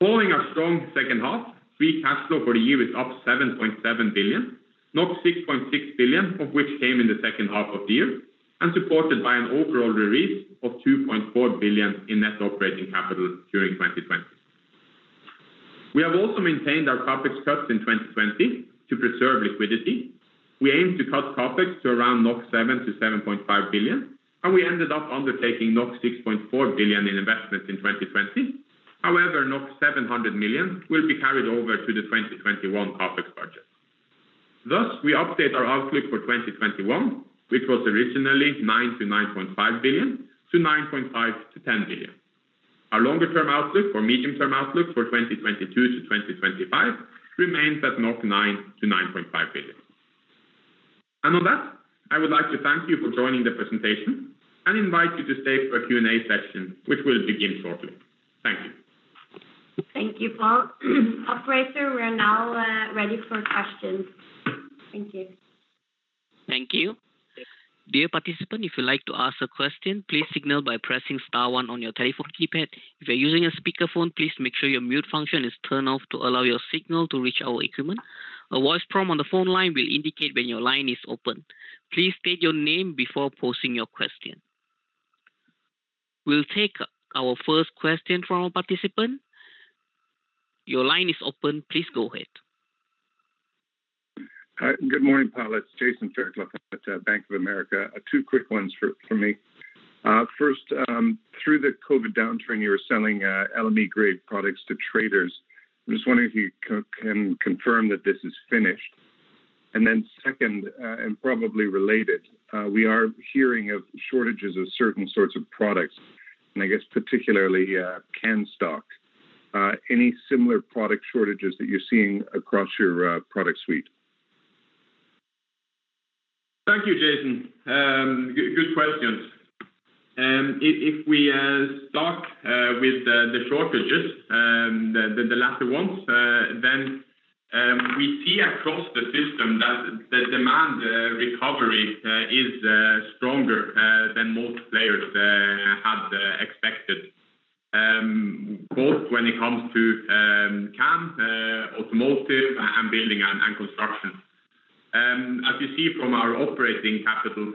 Following our strong second half, free cash flow for the year is up 7.7 billion, 6.6 billion of which came in the second half of the year, and supported by an overall release of 2.4 billion in net operating capital during 2020. We have also maintained our CapEx cuts in 2020 to preserve liquidity. We aim to cut CapEx to around 7 billion-7.5 billion, and we ended up undertaking 6.4 billion in investments in 2020. However, 700 million will be carried over to the 2021 CapEx budget. Thus, we update our outlook for 2021, which was originally 9 billion-9.5 billion, to 9.5 billion-10 billion. Our longer-term outlook or medium-term outlook for 2022 to 2025 remains at 9 billion-9.5 billion. On that, I would like to thank you for joining the presentation and invite you to stay for a Q&A session, which will begin shortly. Thank you. Thank you, Pål. Operator, we're now ready for questions. Thank you. Thank you. Dear participant, if you'd like to ask a question, please signal by pressing star one on your telephone keypad. If you're using a speakerphone, please make sure your mute function is turned off to allow your signal to reach our equipment. A voice prompt on the phone line will indicate when your line is open. Please state your name before posing your question. We'll take our first question from our participant. Your line is open. Please go ahead. Hi. Good morning, Pål. It's Jason Fairclough from Bank of America. Two quick ones for me. First, through the COVID downturn, you were selling LME grade products to traders. I'm just wondering if you can confirm that this is finished. Second, and probably related, we are hearing of shortages of certain sorts of products, and I guess particularly can stock. Any similar product shortages that you're seeing across your product suite? Thank you, Jason. Good questions. If we start with the shortages, the latter ones, then we see across the system that the demand recovery is stronger than most players had expected, both when it comes to can, automotive, and building and construction. As you see from our operating capital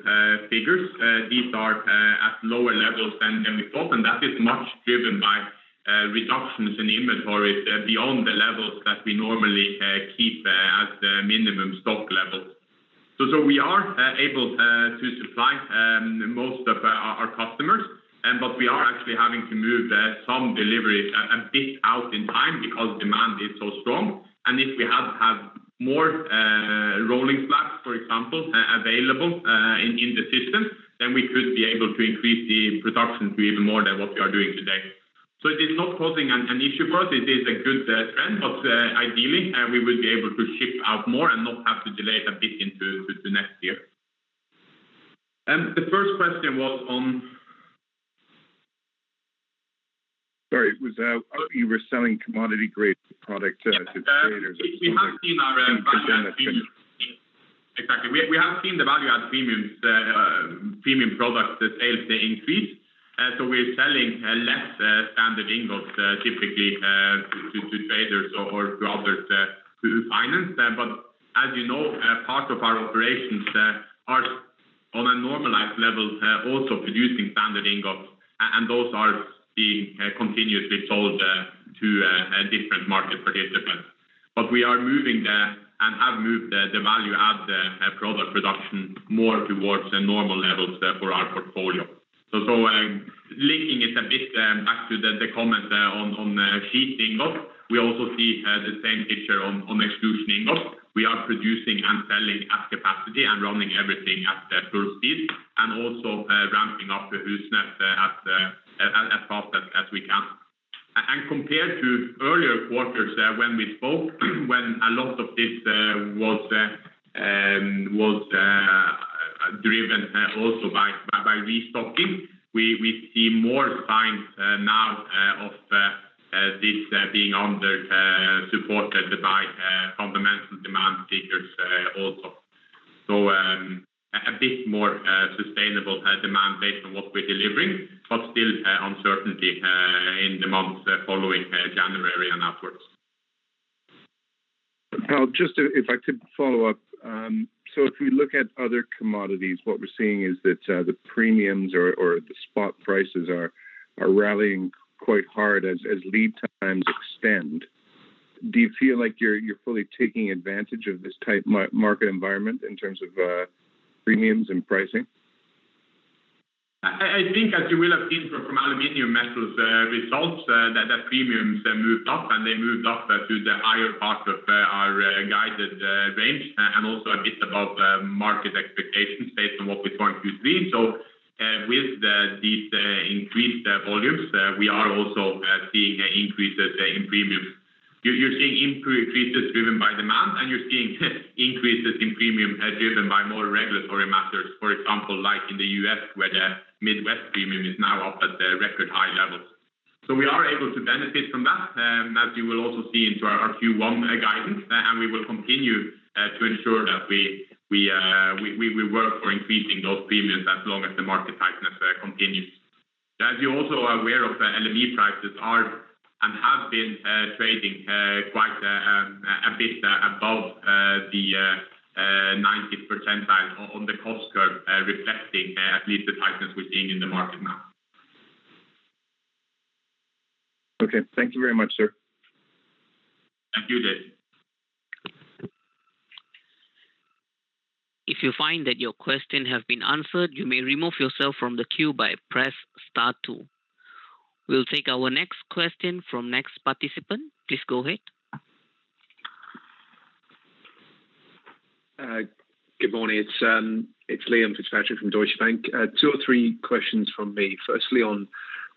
figures, these are at lower levels than we thought, and that is much driven by reductions in inventory beyond the levels that we normally keep as the minimum stock levels. We are able to supply most of our customers, but we are actually having to move some deliveries a bit out in time because demand is so strong. If we had to have more rolling flats, for example, available in the system, then we could be able to increase the production to even more than what we are doing today. It is not causing an issue for us. It is a good trend. Ideally, we would be able to ship out more and not have to delay it a bit into next year. The first question was on? Sorry. You were selling commodity grade products to traders. We have seen our value-add premium. Exactly. We have seen the value-add premium products sales increase. We're selling less standard ingots typically to traders or to others to finance. As you know, part of our operations are on a normalized level, also producing standard ingots, and those are being continuously sold to different market participants. We are moving there and have moved the value-add product production more towards the normal levels for our portfolio. Linking it a bit back to the comment on sheet ingot, we also see the same picture on extrusion ingot. We are producing and selling at capacity and running everything at full speed, and also ramping up Husnes as fast as we can. Compared to earlier quarters when we spoke, when a lot of this was driven also by restocking, we see more signs now of this being supported by fundamental demand figures also. A bit more sustainable demand based on what we're delivering, but still uncertainty in the months following January and outwards. Well, just if I could follow-up. If we look at other commodities, what we're seeing is that the premiums or the spot prices are rallying quite hard as lead times extend. Do you feel like you're fully taking advantage of this tight market environment in terms of premiums and pricing? I think as you will have seen from Aluminium Metal results, that premiums moved up. They moved up to the higher part of our guided range. Also a bit above market expectations based on what we saw in Q3. With these increased volumes, we are also seeing increases in premiums. You're seeing increases driven by demand. You're seeing increases in premium as driven by more regulatory matters. For example, like in the U.S., where the Midwest premium is now up at record high levels. We are able to benefit from that, as you will also see into our Q1 guidance. We will continue to ensure that we work for increasing those premiums as long as the market tightness continues. As you're also aware of, LME prices are and have been trading quite a bit above the 90th percentile on the cost curve, reflecting at least the tightness we're seeing in the market now. Okay. Thank you very much, sir. Thank you, Jason. We'll take our next question from next participant. Please go ahead. Good morning. It's Liam Fitzpatrick from Deutsche Bank. Two or three questions from me. Firstly, on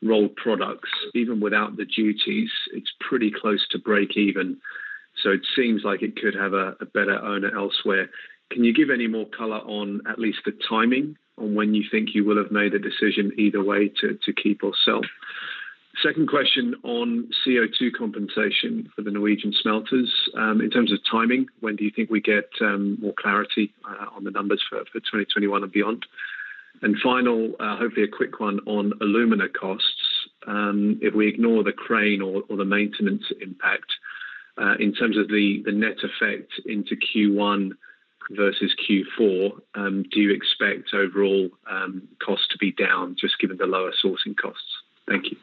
Rolled Products. Even without the duties, it's pretty close to breakeven, so it seems like it could have a better owner elsewhere. Can you give any more color on, at least the timing on when you think you will have made a decision either way to keep or sell? Second question on CO2 compensation for the Norwegian smelters. In terms of timing, when do you think we get more clarity on the numbers for 2021 and beyond? Final, hopefully a quick one on alumina costs. If we ignore the crane or the maintenance impact, in terms of the net effect into Q1 versus Q4, do you expect overall costs to be down just given the lower sourcing costs? Thank you.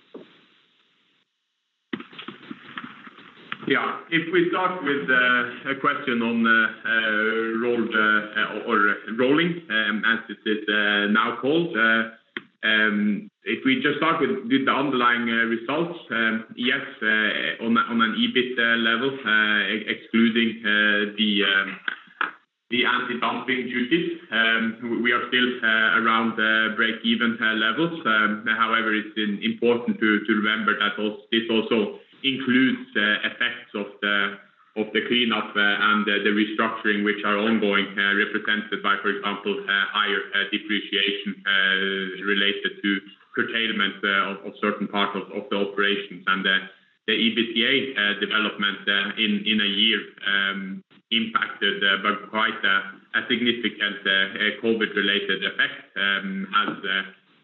If we start with a question on Rolled or Rolling, as it is now called. If we just start with the underlying results, on an EBIT level, excluding the antidumping duties, we are still around breakeven levels. It's important to remember that this also includes effects of the cleanup and the restructuring which are ongoing, represented by, for example, higher depreciation related to curtailment of certain parts of the operations. The EBITDA development in a year impacted by quite a significant COVID-related effect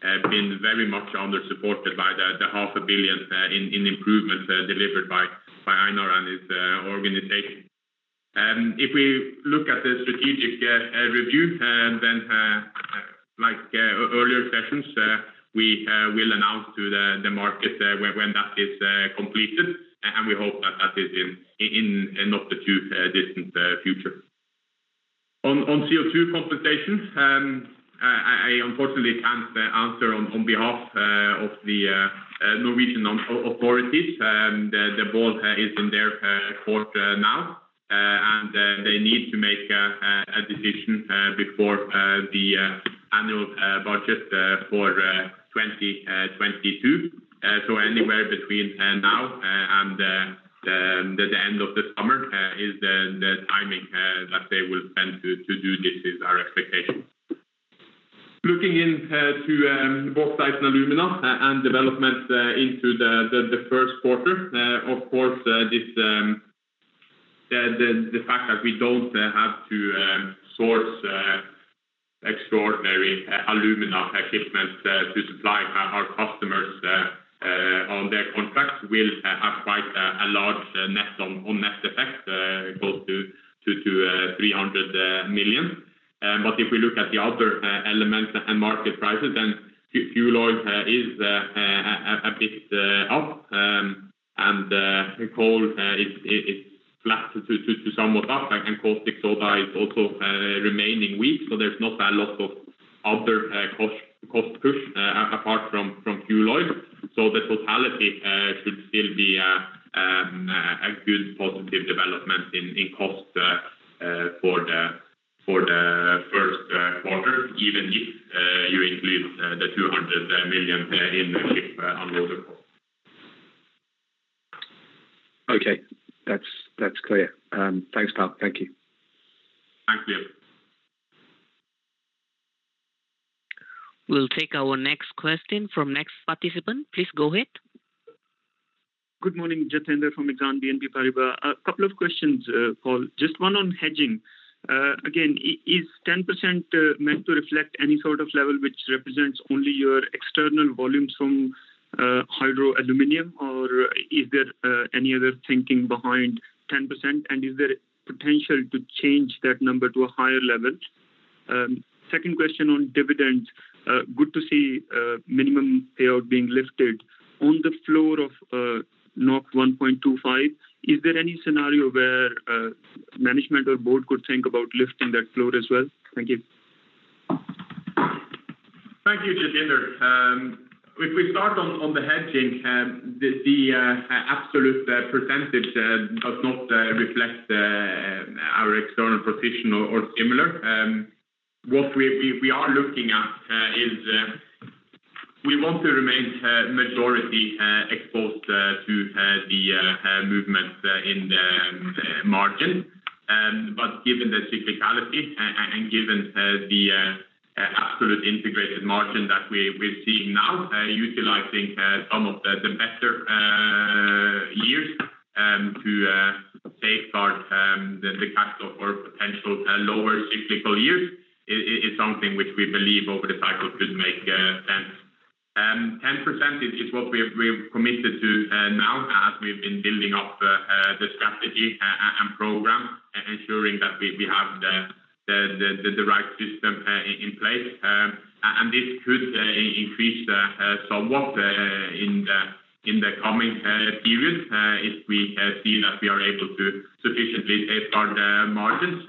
has been very much undersupported by the 500 million in improvements delivered by Einar and his organization. If we look at the strategic review, like earlier sessions, we will announce to the market when that is completed, and we hope that that is in not the too distant future. On CO2 compensations, I unfortunately can't answer on behalf of the Norwegian authorities. The ball is in their court now, and they need to make a decision before the annual budget for 2022. Anywhere between now and the end of the summer is the timing that they will tend to do this, is our expectation. Looking into both sides of alumina and development into the first quarter, of course, the fact that we don't have to source extraordinary alumina equipment to supply our customers on their contracts will have quite a large net on net effect, close to 300 million. If we look at the other elements and market prices, then fuel oil is a bit up. Coal is flat to somewhat up, and caustic soda is also remaining weak. There's not a lot of other cost push apart from crude oil. The totality should still be a good positive development in cost for the first quarter, even if you include the 200 million in ship unloading. Okay. That's clear. Thanks, Pål. Thank you. Thank you. We'll take our next question from next participant. Please go ahead. Good morning. Jatinder from Exane BNP Paribas. A couple of questions, Pål. Just one on hedging. Again, is 10% meant to reflect any sort of level which represents only your external volumes from Hydro Aluminium, or is there any other thinking behind 10%? Is there potential to change that number to a higher level? Second question on dividends. Good to see minimum payout being lifted on the floor of 1.25. Is there any scenario where management or board could think about lifting that floor as well? Thank you. Thank you, Jatinder. We start on the hedging, the absolute percentage does not reflect our external position or similar. What we are looking at is we want to remain majority exposed to the movement in the margin. Given the cyclicality, and given the absolute integrated margin that we're seeing now, utilizing some of the better years to safeguard the cash flow for potential lower cyclical years is something which we believe over the cycle should make sense. 10% is what we've committed to now as we've been building up the strategy and program, ensuring that we have the right system in place. This could increase somewhat in the coming periods, if we see that we are able to sufficiently safeguard margins,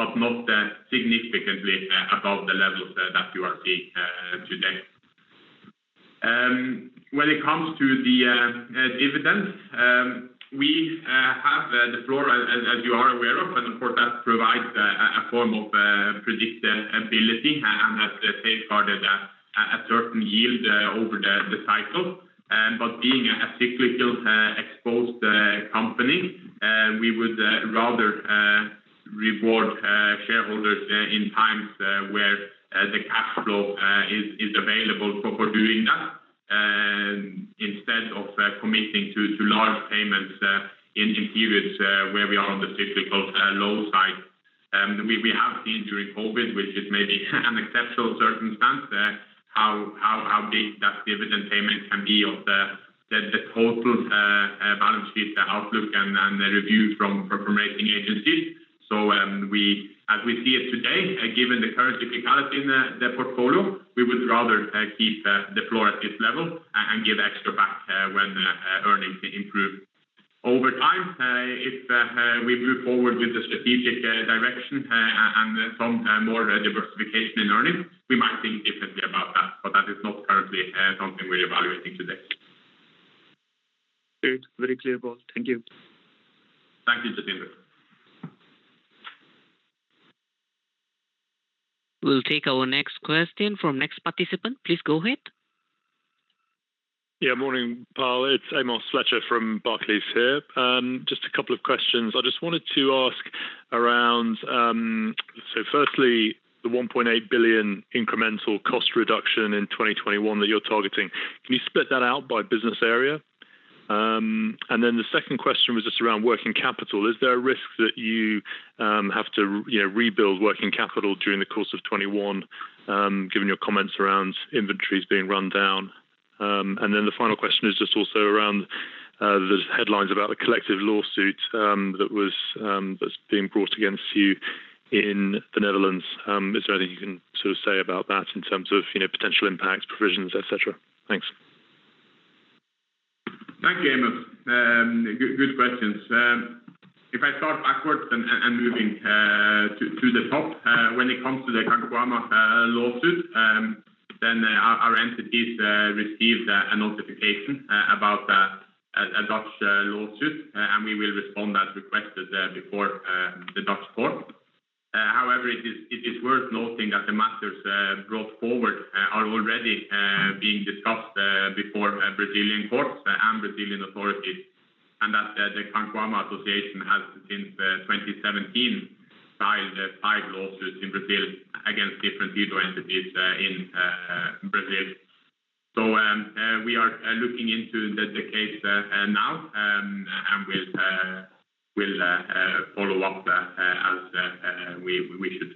but not significantly above the levels that you are seeing today. When it comes to the dividends, we have the floor, as you are aware of course, that provides a form of predictability and has safeguarded a certain yield over the cycle. Being a cyclical exposed company, we would rather reward shareholders in times where the cash flow is available for doing that, instead of committing to large payments in periods where we are on the cyclical low side. We have seen during COVID, which is maybe an exceptional circumstance, how big that dividend payment can be of the total balance sheet outlook and the review from rating agencies. As we see it today, given the current cyclicality in the portfolio, we would rather keep the floor at this level and give extra back when earnings improve. Over time, if we move forward with the strategic direction and some more diversification in earnings, we might think differently about that. That is not currently something we're evaluating today. Good. Very clear, Pål. Thank you. Thank you, Jatinder. We'll take our next question from next participant. Please go ahead. Yeah, morning, Pål. It's Amos Fletcher from Barclays here. Just a couple of questions. I just wanted to ask around. Firstly, the 1.8 billion incremental cost reduction in 2021 that you're targeting, can you split that out by business area? The second question was just around working capital. Is there a risk that you have to rebuild working capital during the course of 2021, given your comments around inventories being run down? The final question is just also around there's headlines about the collective lawsuit that's being brought against you in the Netherlands. Is there anything you can sort of say about that in terms of potential impacts, provisions, et cetera? Thanks. Thank you, Amos. Good questions. If I start backwards and moving to the top, when it comes to the Cainquiama lawsuit, then our entities received a notification about a Dutch lawsuit, and we will respond as requested before the Dutch court. However, it is worth noting that the matters brought forward are already being discussed before Brazilian courts and Brazilian authorities, and that the Cainquiama Association has since 2017 filed five lawsuits in Brazil against different Hydro entities in Brazil. We are looking into the case now, and we'll follow up as we should.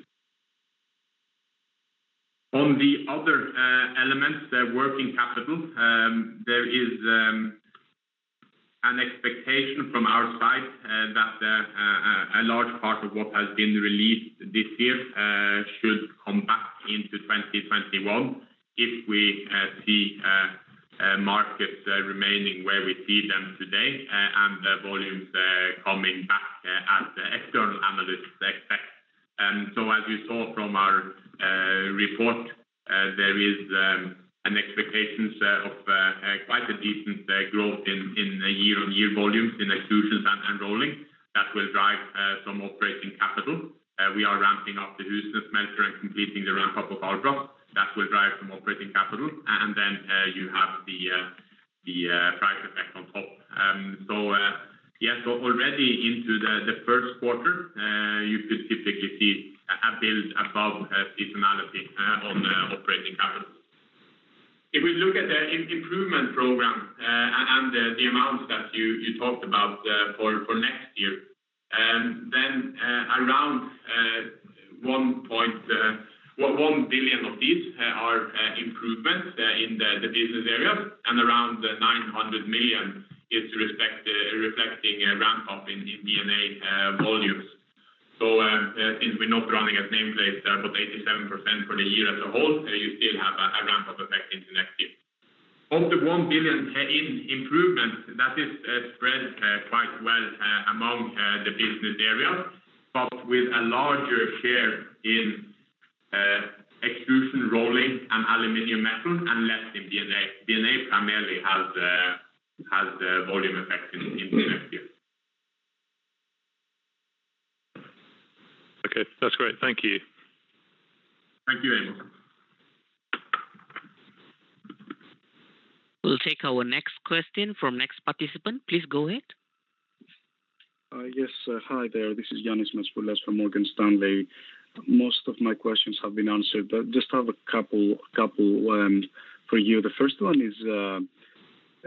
On the other elements, the working capital, there is an expectation from our side. A large part of what has been released this year should come back into 2021 if we see markets remaining where we see them today, and the volumes coming back as the external analysts expect. As you saw from our report, there is an expectation of quite a decent growth in the year-on-year volumes in Extrusions and Rolling that will drive some operating capital. We are ramping up the Husnes smelter and completing the ramp-up of Albras. That will drive some operating capital, then you have the price effect on top. Yes, already into the first quarter, you could typically see a build above seasonality on operating capital. If we look at the improvement program and the amounts that you talked about for next year, then around 1 billion of these are improvements in the business areas and around 900 million is reflecting a ramp-up in B&A volumes. Since we're not running at nameplate, but 87% for the year as a whole, you still have a ramp-up effect into next year. Of the 1 billion in improvements, that is spread quite well among the business areas, With a larger share in Extrusion, Rolling, and Aluminium Metal and less in B&A. B&A primarily has the volume effect into next year. Okay. That's great. Thank you. Thank you, Amos. We'll take our next question from next participant. Please go ahead. Yes. Hi there. This is Ioannis Masvoulas from Morgan Stanley. Most of my questions have been answered, but just have a couple for you. The first one is,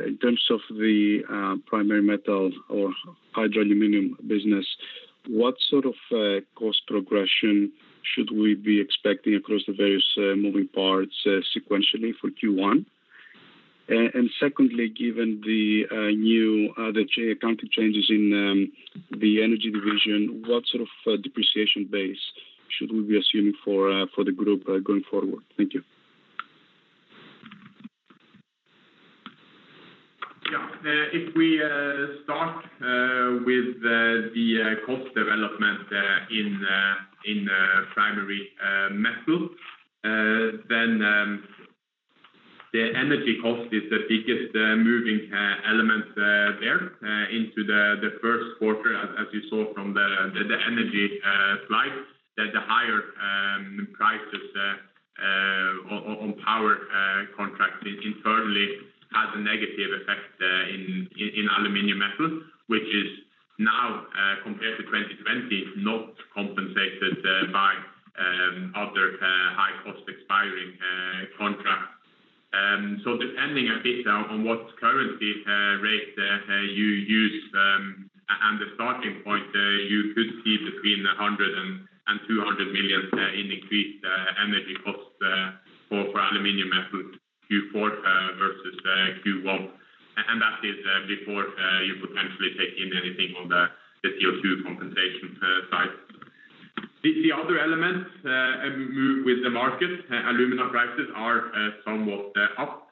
in terms of the Primary Metal or Hydro Aluminium business, what sort of cost progression should we be expecting across the various moving parts sequentially for Q1? Secondly, given the new accounting changes in the Energy division, what sort of depreciation base should we be assuming for the group going forward? Thank you. If we start with the cost development in Primary Metal, then the Energy cost is the biggest moving element there into the first quarter, as you saw from the Energy slide, that the higher prices on power contract internally has a negative effect in Aluminium Metal, which is now, compared to 2020, not compensated by other high-cost expiring contracts. Depending a bit on what currency rate you use and the starting point, you could see between 100 million and 200 million in increased Energy costs for Aluminium Metal Q4 versus Q1. That is before you potentially take in anything on the CO2 compensation side. The other elements move with the market. Alumina prices are somewhat up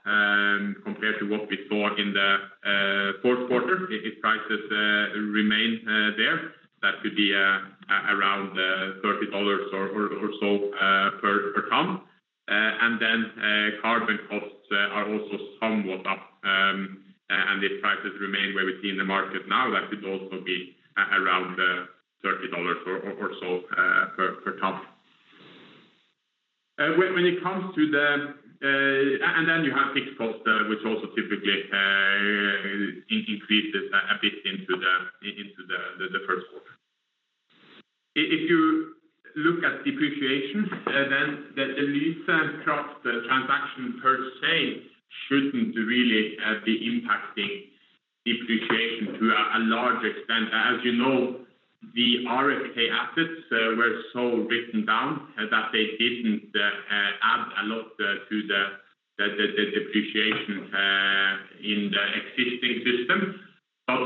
compared to what we saw in the fourth quarter. If prices remain there, that could be around $30 or so per ton. Carbon costs are also somewhat up, and if prices remain where we see in the market now, that could also be around $30 or so per ton. You have fixed cost, which also typically increases a bit into the first quarter. If you look at depreciation, the Lyse Kraft transaction per se shouldn't really be impacting depreciation to a large extent. As you know, the RSK assets were so written down that they didn't add a lot to the depreciation in the existing system.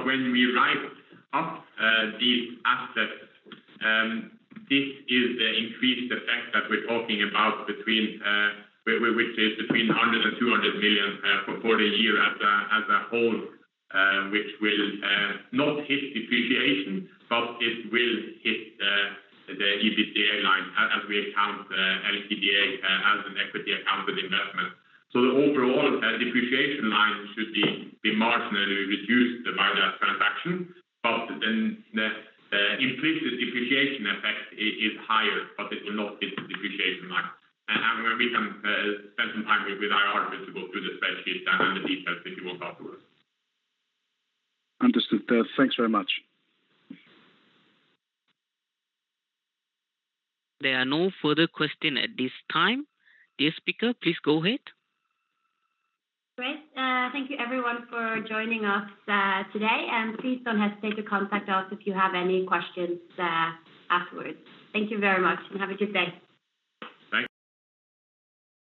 When we write up these assets, this is the increased effect that we're talking about, which is between 100 million-200 million for the year as a whole, which will not hit depreciation, but it will hit the EBITDA line as we account Lyse Kraft DA as an equity accounted investment. The overall depreciation line should be marginally reduced by that transaction, but then the implicit depreciation effect is higher, but it will not hit the depreciation line. We can spend some time with IR to go through the spreadsheets and the details if you want afterwards. Understood. Thanks very much. There are no further questions at this time. Dear speaker, please go ahead. Great. Thank you everyone for joining us today, and please don't hesitate to contact us if you have any questions afterwards. Thank you very much, and have a good day. Thanks.